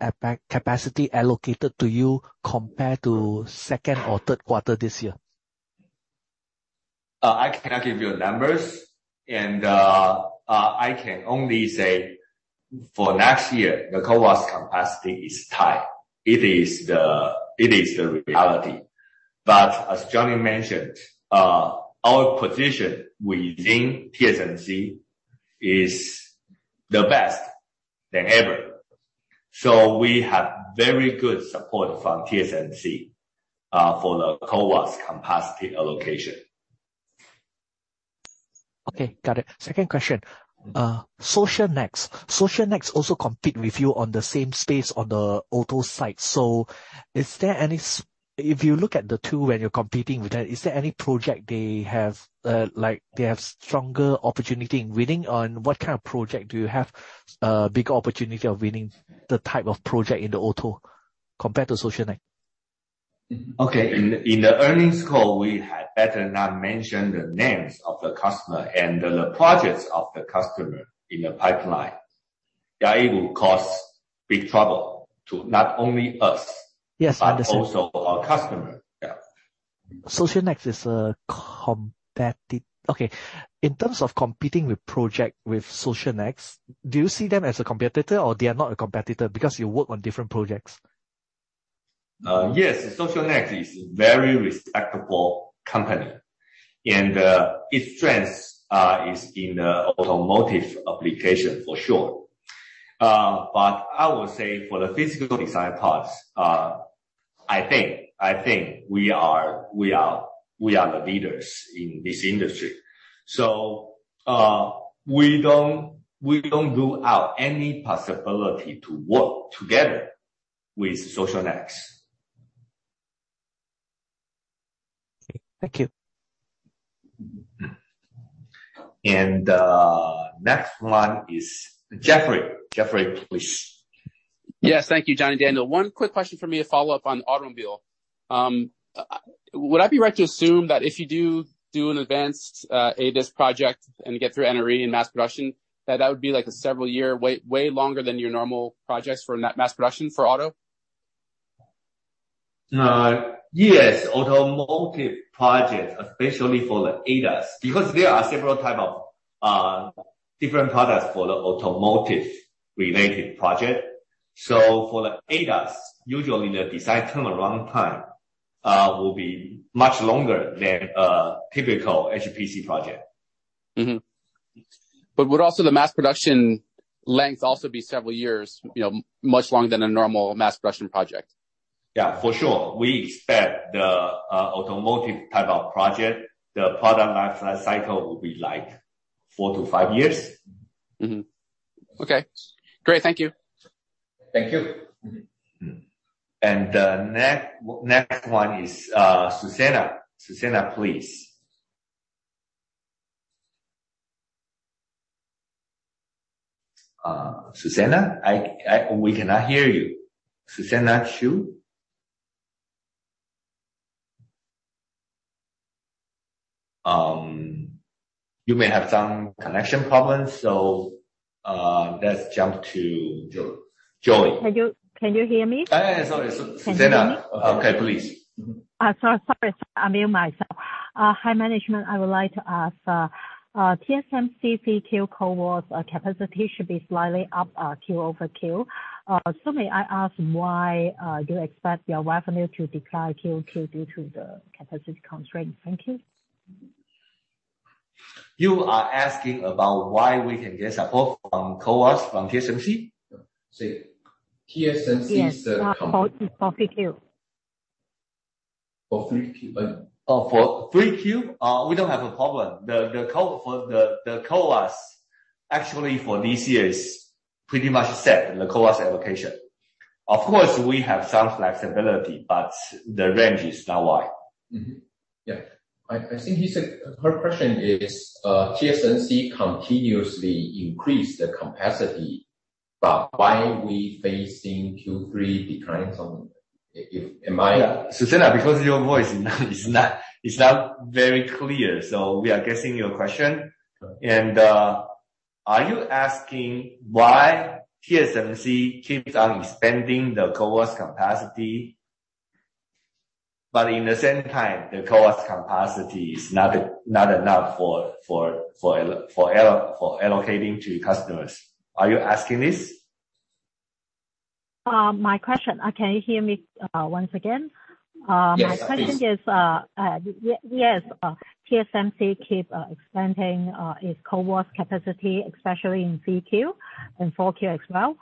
capacity allocated to you compared to 2nd or 3rd quarter this year?
I cannot give you numbers, and I can only say for next year, the CoWoS capacity is tight. It is the, it is the reality. As Johnny mentioned, our position within TSMC is the best than ever. We have very good support from TSMC for the CoWoS capacity allocation.
Okay, got it. Second question. Socionext. Socionext also compete with you on the same space on the auto site. Is there any-- if you look at the two, and you're competing with them, is there any project they have, they have stronger opportunity in winning? Or what kind of project do you have, bigger opportunity of winning the type of project in the auto compared to Socionext?
Okay. In the earnings call, we had better not mention the names of the customer and the projects of the customer in the pipeline. Yeah, it will cause big trouble to not only us.
Yes, I understand.
Also our customer. Yeah.
Socionext is a competitive... Okay, in terms of competing with project with Socionext, do you see them as a competitor or they are not a competitor because you work on different projects?
Yes, Socionext is a very respectable company, and its strength is in the automotive application for sure. I would say for the physical design parts, I think, I think we are, we are, we are the leaders in this industry. We don't, we don't rule out any possibility to work together with Socionext.
Okay. Thank you.
Mm-hmm. Next one is Jeffrey. Jeffrey, please.
Yes. Thank you, Johnny and Daniel. One quick question for me to follow up on automotive. Would I be right to assume that if you do, do an advanced ADAS project and get through NRE and mass production, that that would be like a several year, way, way longer than your normal projects for mass production for automotive?
Yes, automotive project, especially for the ADAS, because there are several type of different products for the automotive-related project. For the ADAS, usually the design turnaround time will be much longer than a typical HPC project.
Mm-hmm. Would also the mass production length also be several years, you know, much longer than a normal mass production project?
Yeah, for sure. We expect the, automotive type of project, the product life cycle will be like four to five years.
Mm-hmm. Okay, great. Thank you.
Thank you. Mm-hmm. Next, next one is Susanna. Susanna, please.... Susanna, I, I, we cannot hear you. Susanna Chui? You may have some connection problems, so, let's jump to Jo- Joey.
Can you, can you hear me?
Yeah, sorry. Susanna.
Can you hear me?
Okay, please. Mm-hmm.
Sorry, I mute myself. Hi, management, I would like to ask, TSMC CoWoS capacity should be slightly up QoQ. May I ask why you expect your revenue to decline QoQ due to the capacity constraint? Thank you.
You are asking about why we can get support from CoWoS, from TSMC?
Say TSMC is the-
Yes, for, for 3Q.
For 3Q.
For 3Q, we don't have a problem. For the CoWoS, actually, for this year is pretty much set, the CoWoS allocation. Of course, we have some flexibility, but the range is not wide.
Mm-hmm. Yeah. I think her question is, TSMC continuously increase the capacity, why we facing Q3 declines on.
Yeah, Susanna, because your voice is not, is not, is not very clear, so we are guessing your question.
Correct.
Are you asking why TSMC keeps on expanding the CoWoS capacity, but in the same time, the CoWoS capacity is not enough for allocating to customers? Are you asking this?
My question... can you hear me, once again?
Yes, please.
my question is, yes, TSMC keep expanding its CoWoS capacity, especially in 3Q and 4Q as well.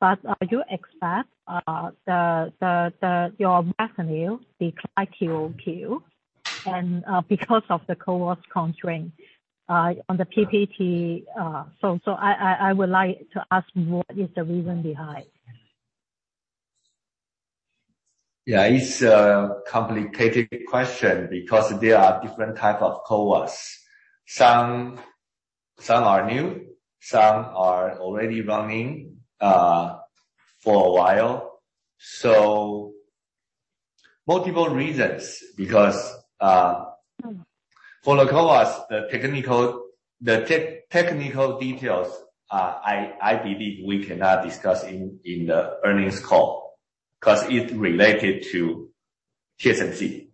I do expect the the the your revenue decline QoQ, and because of the CoWoS constraint on the PPT, I would like to ask, what is the reason behind?
Yeah, it's a complicated question because there are different type of CoWoS. Some, some are new, some are already running for a while. Multiple reasons, because for the CoWoS, the technical, technical details, I, I believe we cannot discuss in, in the earnings call, 'cause it's related to TSMC.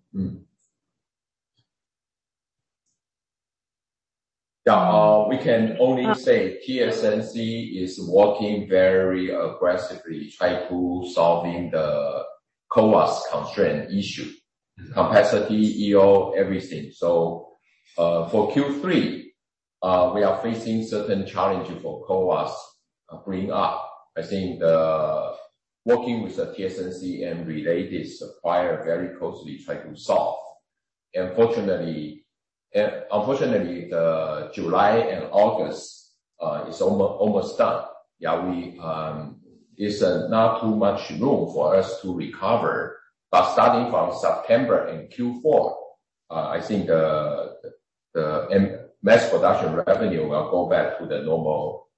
Yeah, we can only say TSMC is working very aggressively, try to solving the CoWoS constraint issue.
Mm.
Capacity, EO, everything. For Q3, we are facing certain challenges for CoWoS, bringing up. I think the working with the TSMC and related supplier very closely, try to solve. Unfortunately, unfortunately, the July and August is almost done. Yeah, we... It's not too much room for us to recover. Starting from September in Q4, I think the mass production revenue will go back to the normal,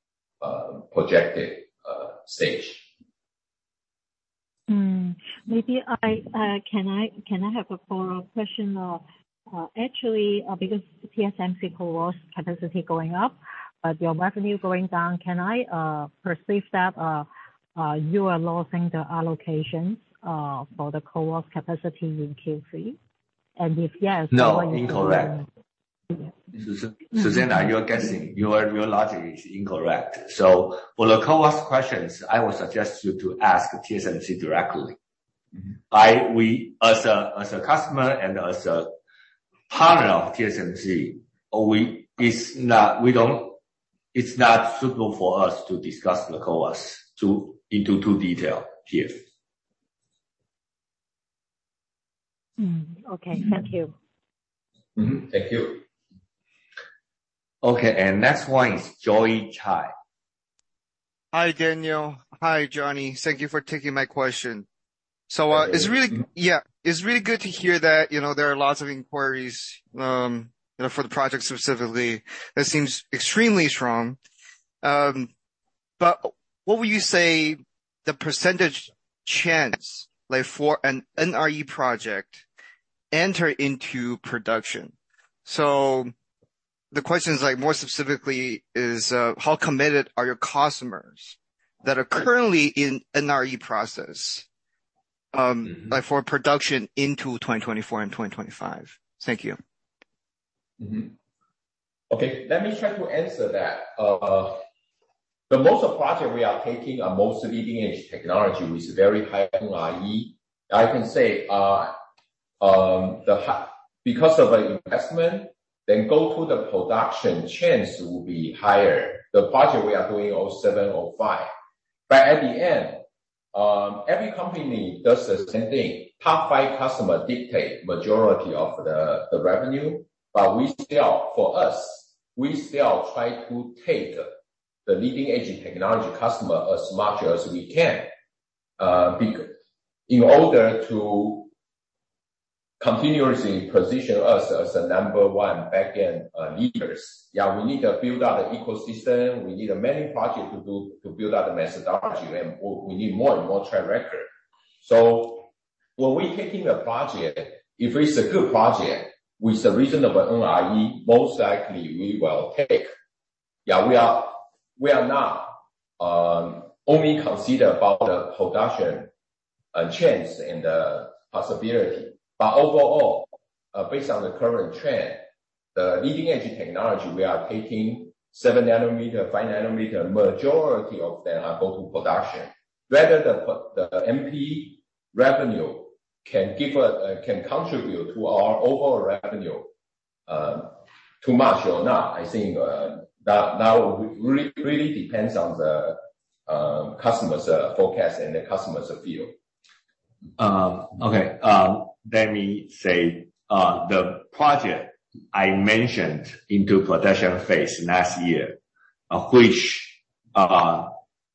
projected stage.
Hmm. Maybe I, can I, can I have a follow-up question of, actually, because TSMC CoWoS capacity going up, but your revenue going down, can I, perceive that, you are losing the allocation, for the CoWoS capacity in Q3? If yes, how are you-
No, incorrect.
Yeah.
Susanna, you're guessing. Your, your logic is incorrect. For the CoWoS questions, I would suggest you to ask TSMC directly.
Mm.
I, we, as a, as a customer and as a partner of TSMC, it's not suitable for us to discuss the CoWoS into too detail here.
Hmm. Okay. Thank you.
Mm-hmm. Thank you. Okay, next one is Joey Chai.
Hi, Daniel. Hi, Johnny. Thank you for taking my question.
Hi.
Yeah, it's really good to hear that, you know, there are lots of inquiries, you know, for the project specifically. It seems extremely strong. What would you say the % chance, like, for an NRE project enter into production? The question is, like, more specifically is, how committed are your customers that are currently in NRE process?
Mm-hmm.
like, for production into 2024 and 2025? Thank you.
Okay, let me try to answer that. The most of project we are taking are mostly leading-edge technology, which is very high NRE. I can say, because of the investment, then go through the production, chance will be higher. The project we are doing, on seven, on five. At the end, every company does the same thing. Top five customer dictate majority of the, the revenue, but we still, for us, we still try to take the leading-edge technology customer as much as we can, in order to- ...
continuously position us as the number one backend leaders. Yeah, we need to build out the ecosystem. We need a many project to do, to build out the methodology, and we need more and more track record. When we taking a project, if it's a good project with a reasonable NRE, most likely we will take. Yeah, we are not only consider about the production chance and the possibility. Overall, based on the current trend, the leading-edge technology, we are taking seven nanometer, five nanometer, majority of them are going to production. Whether the MP revenue can give a can contribute to our overall revenue too much or not, I think that really depends on the customer's forecast and the customer's view. Okay, let me say, the project I mentioned into production phase last year, which,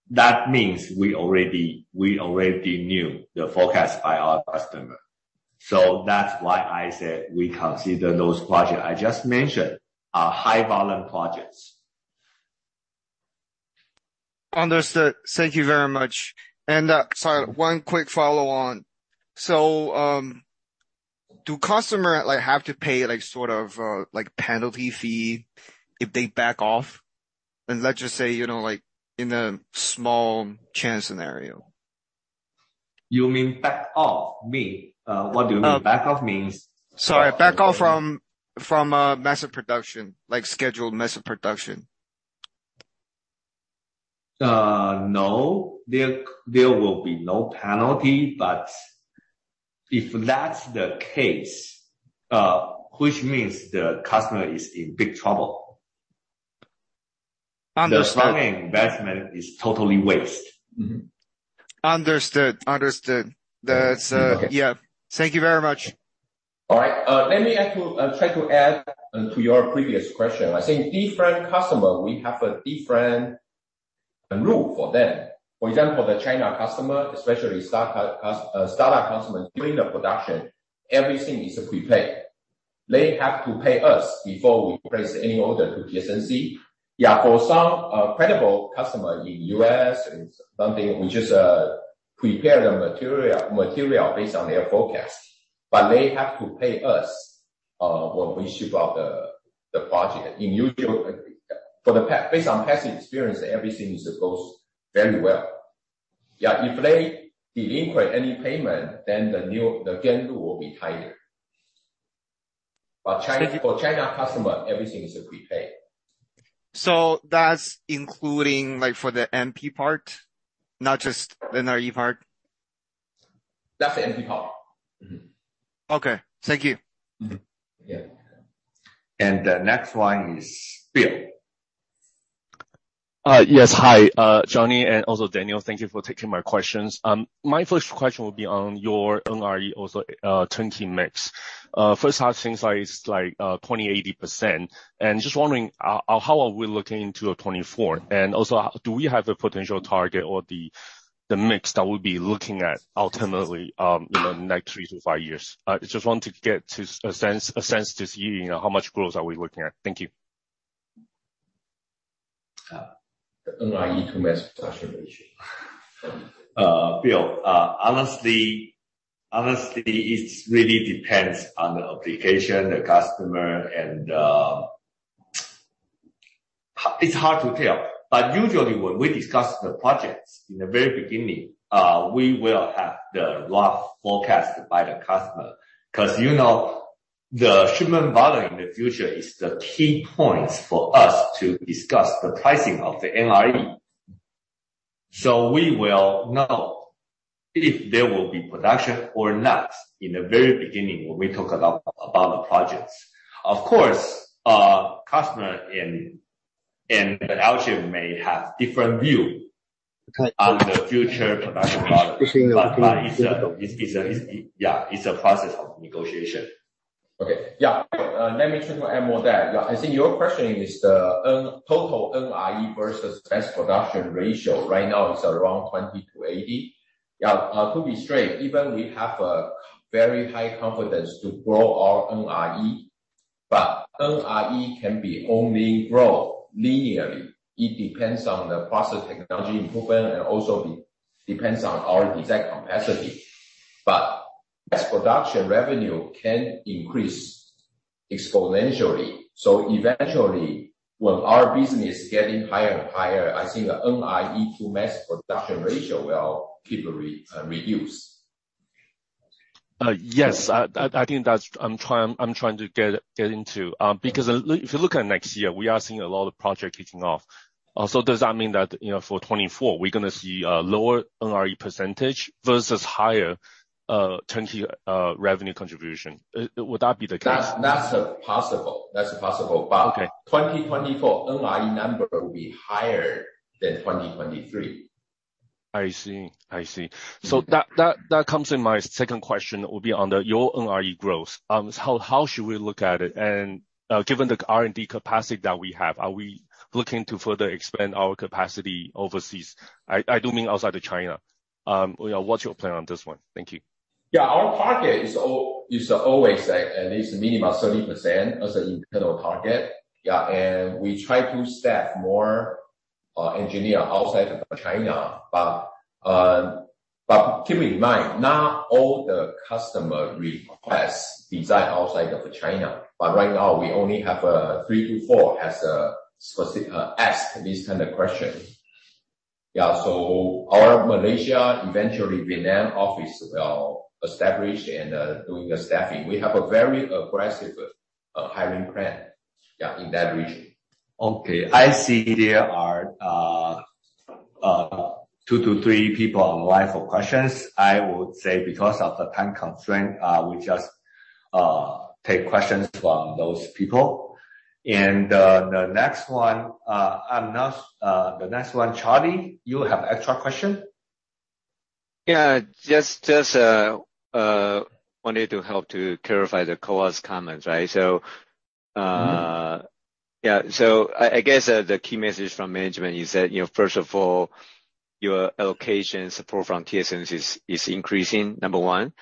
that means we already, we already knew the forecast by our customer. That's why I said we consider those project I just mentioned are high volume projects.
Understood. Thank you very much. Sorry, one quick follow-on. Do customer, like, have to pay, like, sort of, like, penalty fee if they back off? Let's just say, you know, like in a small chance scenario.
You mean back off? Mean, what do you mean?
Um-
Back off means?
Sorry, back off from, from, mass production, like scheduled mass production.
no, there, there will be no penalty, but if that's the case, which means the customer is in big trouble.
Understood.
Their starting investment is totally waste. Mm-hmm.
Understood. Understood. That's.
Okay.
Yeah. Thank you very much.
All right. Let me add to, try to add to your previous question. I think different customer, we have a different rule for them. For example, the China customer, especially startup customer, during the production, everything is a pre-pay. They have to pay us before we place any order to TSMC. Yeah, for some, credible customer in U.S. and something, we just, prepare the material, material based on their forecast, but they have to pay us, when we ship out the, the project. In usual, for the Based on past experience, everything is, goes very well. Yeah, if they delinquent any payment, then the new, the penalty will be higher. Chinese-
Thank you.
For China customer, everything is a pre-pay.
That's including, like, for the MP part, not just the NRE part?
That's the MP part. Mm-hmm.
Okay. Thank you.
Mm-hmm. Yeah. The next one is Bill.
Yes. Hi, Johnny, and also Daniel. Thank you for taking my questions. My first question will be on your NRE, also, turnkey mix. First half seems like it's like 20%, 80%. Just wondering, how are we looking into 2024? Also, do we have a potential target or the, the mix that we'll be looking at ultimately, in the next three to five years? I just want to get to a sense, a sense this year, you know, how much growth are we looking at? Thank you.
The NRE to mass production ratio. Bill, honestly, honestly, it really depends on the application, the customer, and it's hard to tell. Usually, when we discuss the projects in the very beginning, we will have the rough forecast by the customer. 'Cause, you know, the shipment volume in the future is the key points for us to discuss the pricing of the NRE. We will know if there will be production or not in the very beginning, when we talk about the projects. Of course, customer and the Alchip may have different view-
Okay...
on the future production model.
Pushing the
It's a, it's, it's a, it, yeah, it's a process of negotiation. Okay. Let me add more to that. I think your question is the total NRE versus mass production ratio right now is around 20-80. To be straight, even we have a very high confidence to grow our NRE, but NRE can be only grow linearly. It depends on the process technology improvement and also depends on our exact capacity. Mass production revenue can increase exponentially. Eventually, when our business is getting higher and higher, I think the NRE to mass production ratio will keep reduce.
yes, I, I, I think that's... I'm trying, I'm trying to get, get into,
Yeah.
If you look at next year, we are seeing a lot of project kicking off. Does that mean that, you know, for 2024, we're gonna see a lower NRE % versus higher turn-key revenue contribution? Would that be the case?
That's possible. That's possible.
Okay.
2024, NRE number will be higher than 2023.
I see. I see.
Mm-hmm.
That, that, that comes in my second question, will be on the your NRE growth. How, how should we look at it? Given the R&D capacity that we have, are we looking to further expand our capacity overseas? I, I do mean outside of China. You know, what's your plan on this one? Thank you.
Yeah, our target is always, like, at least minimum 30% as an internal target. We try to staff more engineer outside of China. Keep in mind, not all the customer requests design outside of China, but right now we only have 3-4 as a specific ask this kind of question. So our Malaysia, eventually Vietnam office will establish and doing the staffing. We have a very aggressive hiring plan, yeah, in that region. I see there are 2-3 people on the line for questions. I would say because of the time constraint, we just take questions from those people. The next one, I'm not, the next one, Charlie, you have extra question?
Yeah, just, just wanted to help to clarify the CoWoS comments, right?
Mm-hmm.
Yeah, so I guess, the key message from management is that, you know, first of all, your allocation support from TSMC is increasing, number one.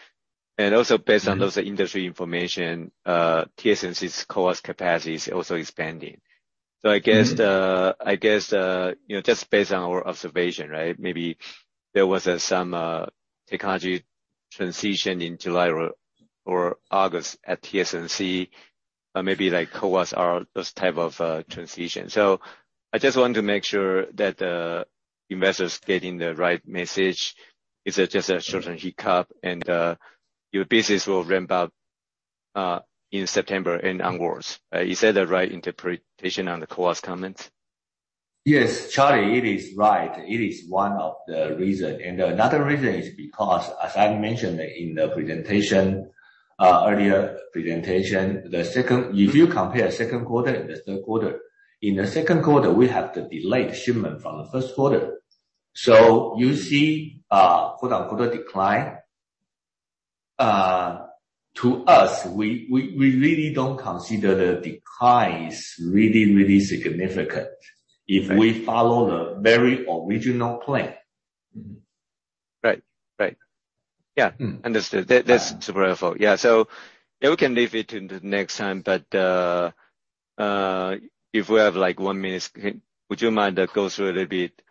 Based on those industry information, TSMC's CoWoS capacity is also expanding.
Mm-hmm.
I guess the, I guess, you know, just based on our observation, right? Maybe there was some technology transition in July or August at TSMC, maybe like CoWoS or those type of transition. I just want to make sure that the investors getting the right message. It's just a short-term hiccup, and your business will ramp up in September and onwards. Is that the right interpretation on the CoWoS comments?
Yes, Charlie, it is right. It is one of the reasons. Another reason is because, as I mentioned in the presentation, earlier presentation, the second... If you compare second quarter and the third quarter, in the second quarter, we have the delayed shipment from the first quarter. You see, quote-unquote, a decline. To us, we, we, we really don't consider the decline is really, really significant.
Right.
if we follow the very original plan. Mm-hmm.
Right. Right. Yeah.
Mm.
Understood. That, that's super helpful. Yeah, yeah, we can leave it to the next time, but if we have, like, one minute, would you mind go through a little bit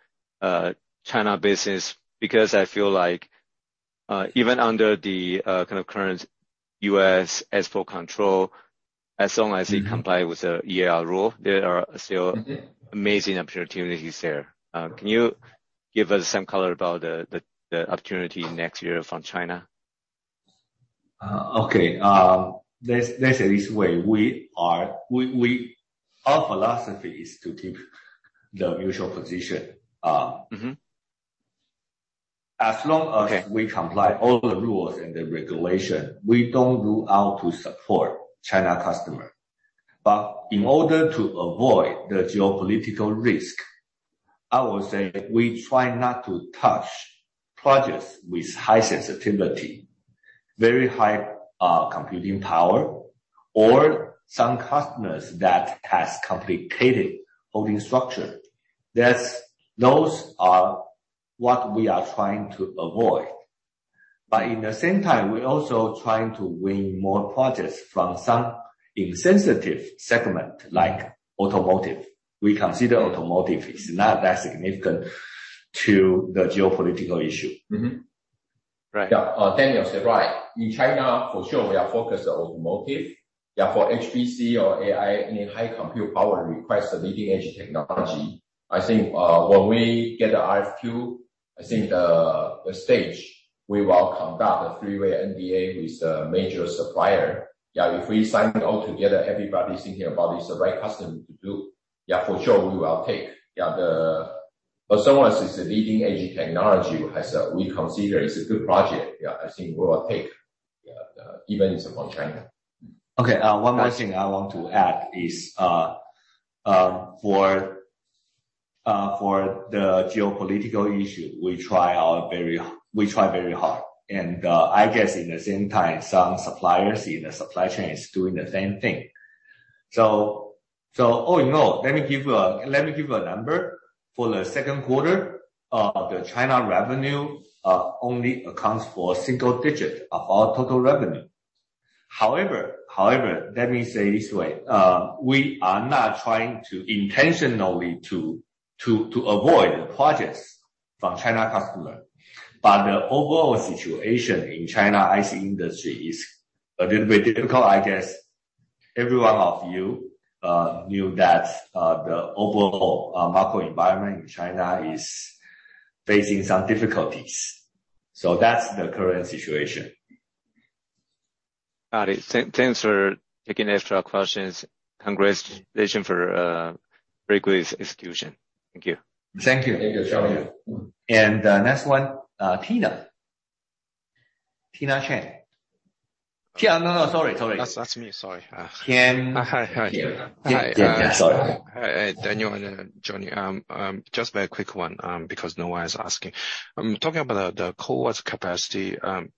China business? Because I feel like even under the kind of current U.S. export control, as long as-
Mm-hmm...
you comply with the EAR rule, there are still-
Mm-hmm
amazing opportunities there. Can you give us some color about the, the, the opportunity next year from China?
Okay. Let's, let's say this way: we, we, our philosophy is to keep the usual position.
Mm-hmm.
As long as.
Okay...
we comply all the rules and the regulation, we don't rule out to support China customer. In order to avoid the geopolitical risk, I will say we try not to touch projects with high sensitivity, very high, computing power, or some customers that has complicated holding structure. That's, those are what we are trying to avoid. In the same time, we're also trying to win more projects from some insensitive segment, like automotive. We consider automotive is not that significant to the geopolitical issue.
Mm-hmm. Right.
Yeah. Daniel said, right. In China, for sure, we are focused on automotive. Yeah, for HPC or AI, any high compute power requires a leading-edge technology. I think, when we get the RFQ, I think the stage, we will conduct a three-way NDA with the major supplier. Yeah, if we sign all together, everybody's thinking about, it's the right customer to do. Yeah, for sure, we will take. Yeah. As long as it's a leading-edge technology, which as we consider is a good project, yeah, I think we will take, even if it's from China. Okay, one more thing I want to add is, for the geopolitical issue, we try very hard. I guess in the same time, some suppliers in the supply chain is doing the same thing.
You know, let me give a, let me give a number. For the second quarter, the China revenue only accounts for single digit of our total revenue. However, however, let me say this way, we are not trying to intentionally to avoid the projects from China customer. The overall situation in China IC industry is a little bit difficult. I guess every one of you knew that the overall macro environment in China is facing some difficulties. That's the current situation.
Got it. Thanks for taking extra questions. Congratulations for very good execution. Thank you.
Thank you.
Thank you, Charlie.
Next one, Tina. Tina Chen. Yeah, no, no, sorry, sorry.
That's, that's me, sorry.
Tian.
Hi. Hi.
Yeah. Yeah, sorry.
Hi, Daniel and Johnny. Just very quick one, because no one is asking. Talking about the, the CoWoS capacity,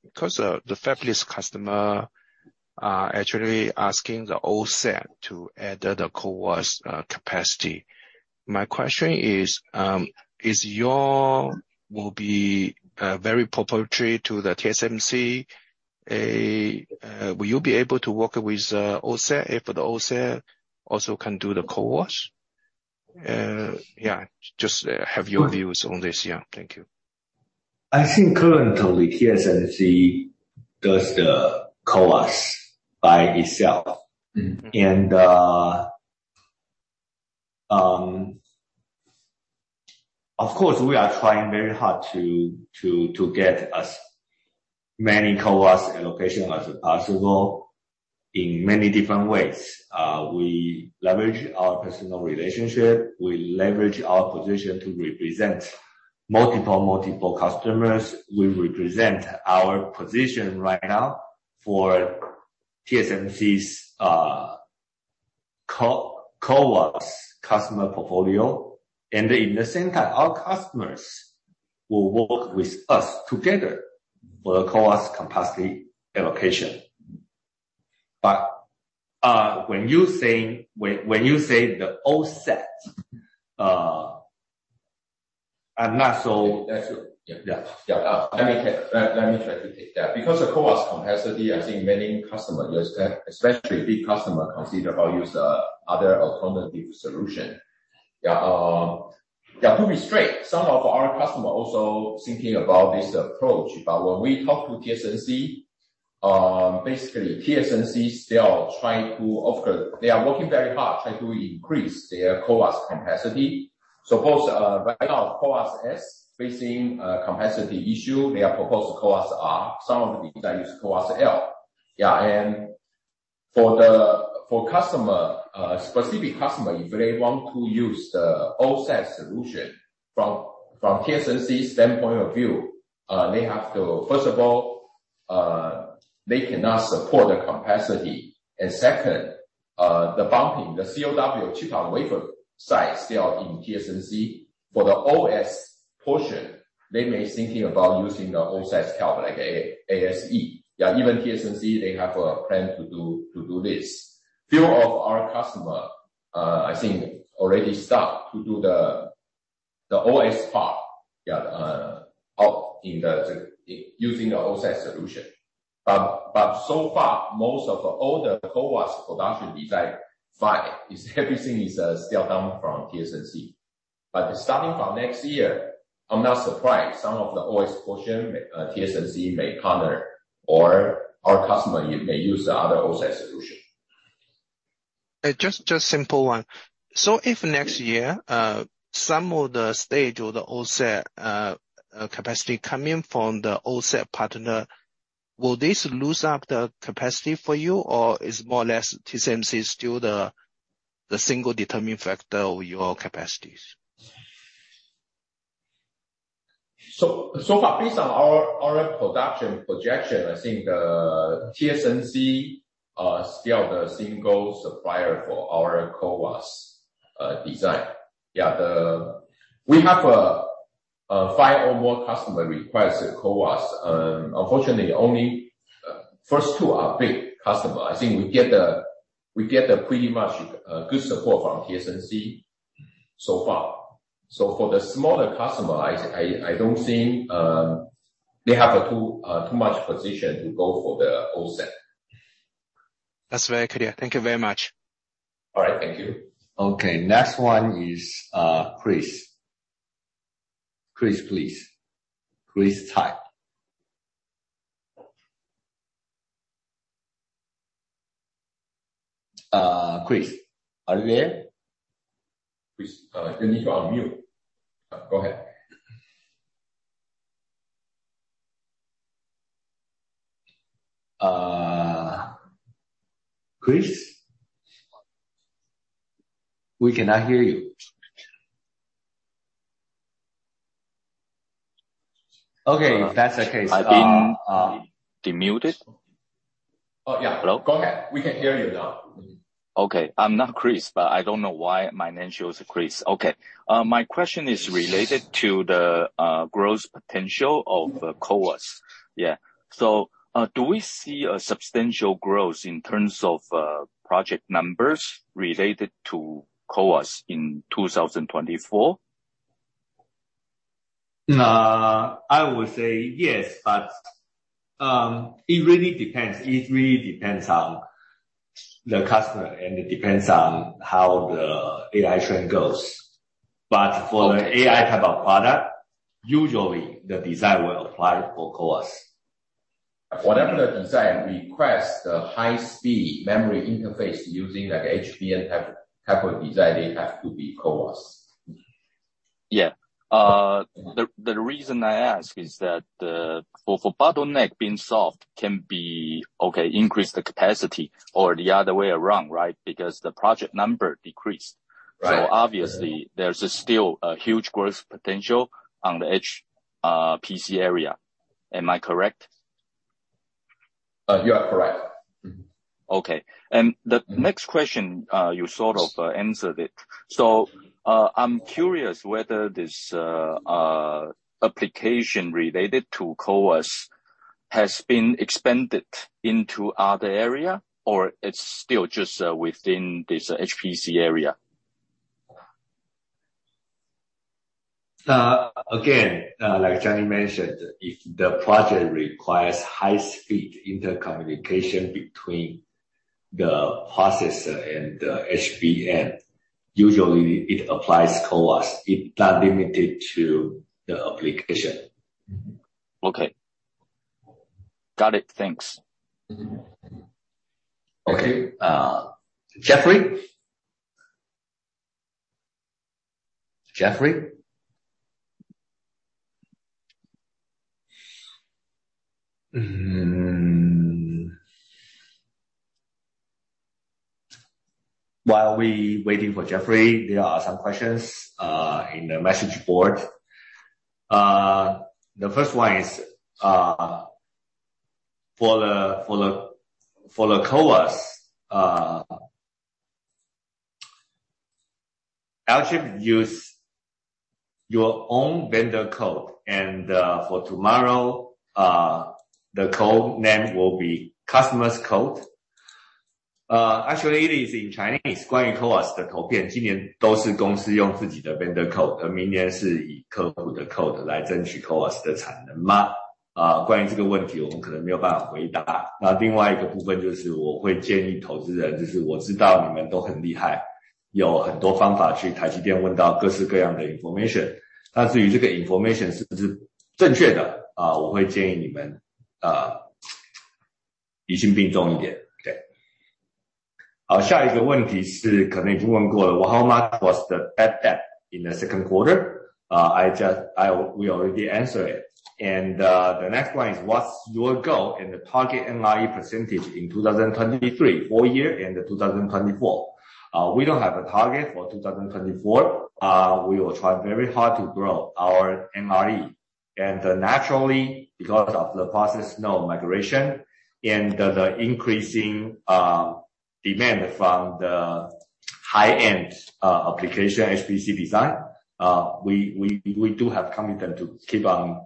because the fabless customer-... actually asking the OSAT to add the CoWoS capacity. My question is, is your will be very proprietary to the TSMC, will you be able to work with OSAT, if the OSAT also can do the CoWoS? Yeah, just have your views on this. Yeah. Thank you.
I think currently, TSMC does the CoWoS by itself.
Mm-hmm.
Of course, we are trying very hard to, to, to get as many CoWoS allocation as possible in many different ways. We leverage our personal relationship, we leverage our position to represent multiple, multiple customers. We represent our position right now for TSMC's CoWoS customer portfolio. In the same time, our customers will work with us together for the CoWoS capacity allocation. When you say the OSAT, I'm not so-
That's it. Yeah, yeah. Yeah, let me try to take that. Because the CoWoS capacity, I think many customers, especially big customer, consider or use other alternative solution. To be straight, some of our customer are also thinking about this approach, but when we talk to TSMC, basically, TSMC, they are trying to offer. They are working very hard, trying to increase their CoWoS capacity. Those, right now, CoWoS-S, facing a capacity issue, they have proposed CoWoS-R. Some of the design is CoWoS-L. For customer, specific customer, if they want to use the OSAT solution, from TSMC's standpoint of view, they have to first of all, they cannot support the capacity. Second, the bumping, the COW of Chip-on-Wafer size, they are in TSMC. For the OS portion, they may thinking about using the OSAT cap, like ASE. Even TSMC, they have a plan to do this. Few of our customer, I think, already start to do the OS part, out in the, using the OSAT solution. So far, most of all the CoWoS production design-wise, is everything is still coming from TSMC. Starting from next year, I'm not surprised some of the OS portion, TSMC may partner or our customer may use the other OSAT solution.
Just, just simple one. If next year, some of the stage or the OSAT capacity come in from the OSAT partner, will this loose up the capacity for you, or is more or less TSMC is still the single determining factor of your capacities?
So far, based on our, our production projection, I think TSMC are still the single supplier for our CoWoS design. Yeah, We have five or more customer requests CoWoS. Unfortunately, only first two are big customer. I think we get a, we get a pretty much good support from TSMC so far. For the smaller customer, I, I, I don't think they have a too, too much position to go for the OSAT.
That's very clear. Thank you very much.
All right. Thank you.
Okay, next one is, Chris. Chris, please. Chris Tai. Chris, are you there?
Chris, you need to unmute. Go ahead.
Chris, we cannot hear you. Okay, that's the case.
I've been, demuted?
Oh, yeah.
Hello?
Go ahead. We can hear you now.
Okay. I'm not Chris, but I don't know why my name shows Chris. Okay, my question is related to the growth potential of CoWoS. Yeah. Do we see a substantial growth in terms of project numbers related to CoWoS in 2024?
I would say yes, but it really depends. It really depends on the customer, and it depends on how the AI trend goes. For the AI type of product, usually the design will apply for CoWoS.
Whatever the design requires, the high-speed memory interface using, like, HBM type of design, they have to be CoWoS.
Yeah, the reason I ask is that the bottleneck being solved can be, okay, increase the capacity or the other way around, right? Because the project number decreased.
Right.
Obviously, there's still a huge growth potential on the edge, PC area. Am I correct?
You are correct. Mm-hmm.
Okay. The next question, you sort of answered it. I'm curious whether this application related to CoWoS has been expanded into other area, or it's still just within this HPC area?
Again, like Johnny mentioned, if the project requires high speed intercommunication between the processor and the HBM, usually it applies CoWoS. It's not limited to the application.
Okay. Got it. Thanks.
Mm-hmm. Okay. Jeffrey? Jeffrey? Mm. While we waiting for Jeffrey, there are some questions in the message board. The first one is for the, for the, for the CoWoS, Alchip use your own vendor code, and for tomorrow, the code name will be customer's code. Actually, it is in Chinese. About this question, we may not be able to answer. Another part is that I would suggest to investors, I know you are all very capable, and there are many ways to ask TSMC about various information. But as for whether this information is accurate, I would suggest you to be cautious. Okay. The next question may have already been asked: How much was the bad debt in the second quarter? I, we already answered it. The next one is: What's your goal and the target NRE % in 2023, full year, and 2024? We don't have a target for 2024. We will try very hard to grow our NRE. Naturally, because of the process node migration and the increasing demand from the high-end application HPC design, we do have commitment to keep on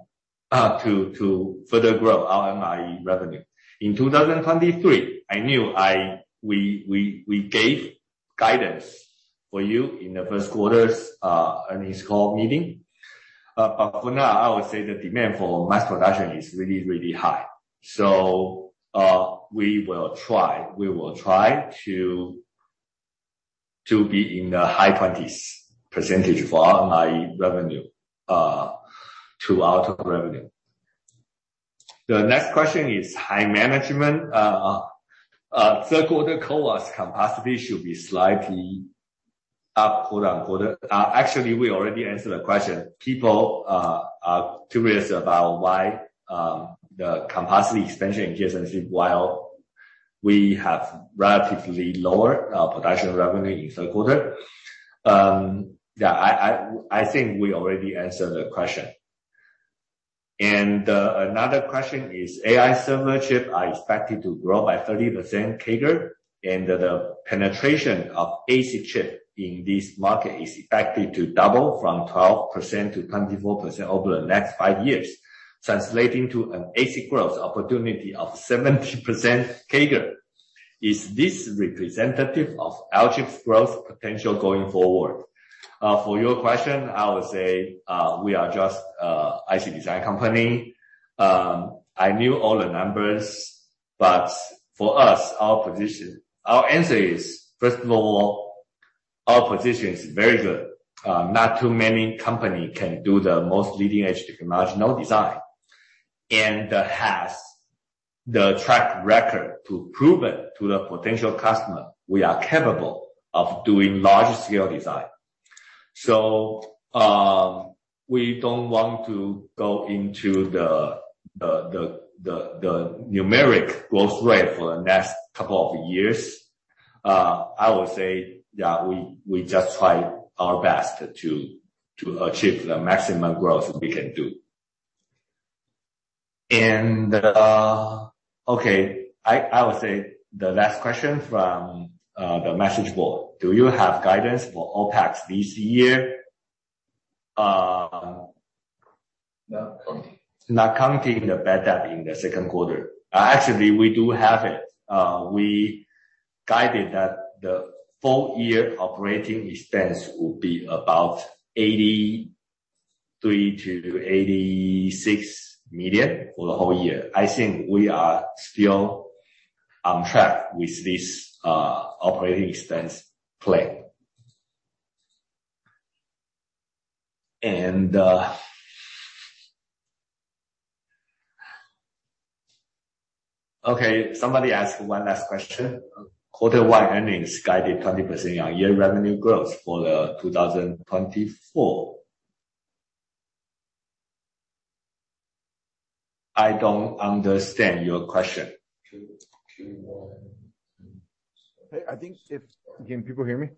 to further grow our NRE revenue. In 2023, we gave guidance for you in the first quarter's earnings call meeting. For now, I would say the demand for mass production is really, really high. We will try. We will try to be in the high 20s% for NRE revenue to our total revenue. The next question is high management. Third quarter CoWoS capacity should be slightly up, quote, unquote. Actually, we already answered the question. People are curious about why the capacity expansion in TSMC, while we have relatively lower production revenue in third quarter. Yeah, I think we already answered the question. Another question is: AI server chip are expected to grow by 30% CAGR, and the penetration of ASIC chip in this market is expected to double from 12% to 24% over the next five years, translating to an ASIC growth opportunity of 70% CAGR. Is this representative of Alchip's growth potential going forward? For your question, I would say, we are just a IC design company. I knew all the numbers, but for us, our position. Our answer is, first of all, our position is very good. Not too many companies can do the most leading-edge technological design, and has the track record to prove it to the potential customer we are capable of doing large-scale design. We don't want to go into the, the, the, the, the numeric growth rate for the next couple of years. I would say that we, we just try our best to, to achieve the maximum growth we can do. Okay, I, I would say the last question from the message board: Do you have guidance for OpEx this year?
Not counting.
Not counting the bad debt in the second quarter. Actually, we do have it. We guided that the full year operating expense will be about $83 million-$86 million for the whole year. I think we are still on track with this operating expense plan. Okay, somebody asked one last question. Quarter one earnings guided 20% year-on-year revenue growth for 2024. I don't understand your question.
Q1.
Hey, I think if... Can people hear me?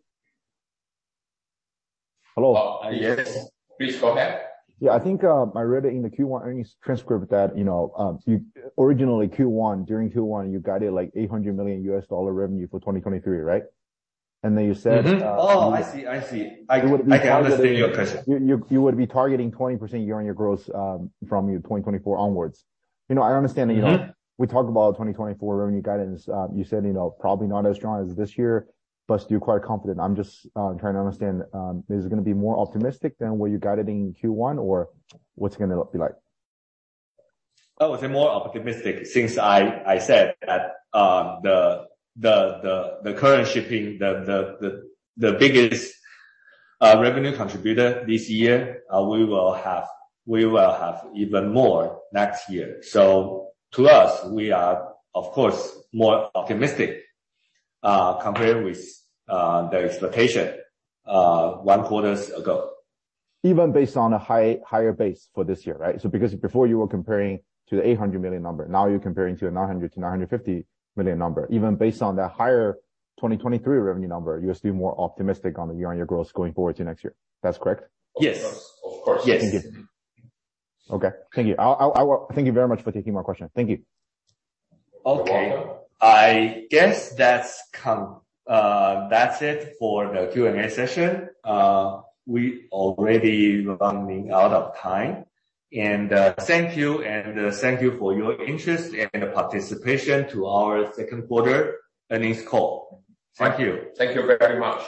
Hello.
Yes. Please go ahead.
Yeah, I think, I read it in the Q1 earnings transcript that, you know, you originally Q1, during Q1, you guided, like, $800 million revenue for 2023, right? Then you said.
Mm-hmm. Oh, I see, I see.
You would be-
I can understand your question.
You, you, you would be targeting 20% year-over-year growth, from year 2024 onwards. You know, I understand that.
Mm-hmm.
you know, we talked about 2024 revenue guidance. You said, you know, probably not as strong as this year, but still quite confident. I'm just trying to understand, is it gonna be more optimistic than what you guided in Q1, or what's it gonna look be like?
I would say more optimistic since I said that, the current shipping, the biggest revenue contributor this year, we will have, we will have even more next year. To us, we are, of course, more optimistic, compared with the expectation, one quarter ago.
Even based on a high- higher base for this year, right? Because before you were comparing to the $800 million number, now you're comparing to a $900 million-$950 million number. Even based on the higher 2023 revenue number, you are still more optimistic on the year-on-year growth going forward to next year. That's correct?
Yes.
Of course.
Yes.
Thank you. Okay, thank you. Thank you very much for taking my question. Thank you.
Okay.
You're welcome.
I guess that's that's it for the Q&A session. We already running out of time. Thank you, and thank you for your interest and participation to our second quarter earnings call. Thank you.
Thank you very much.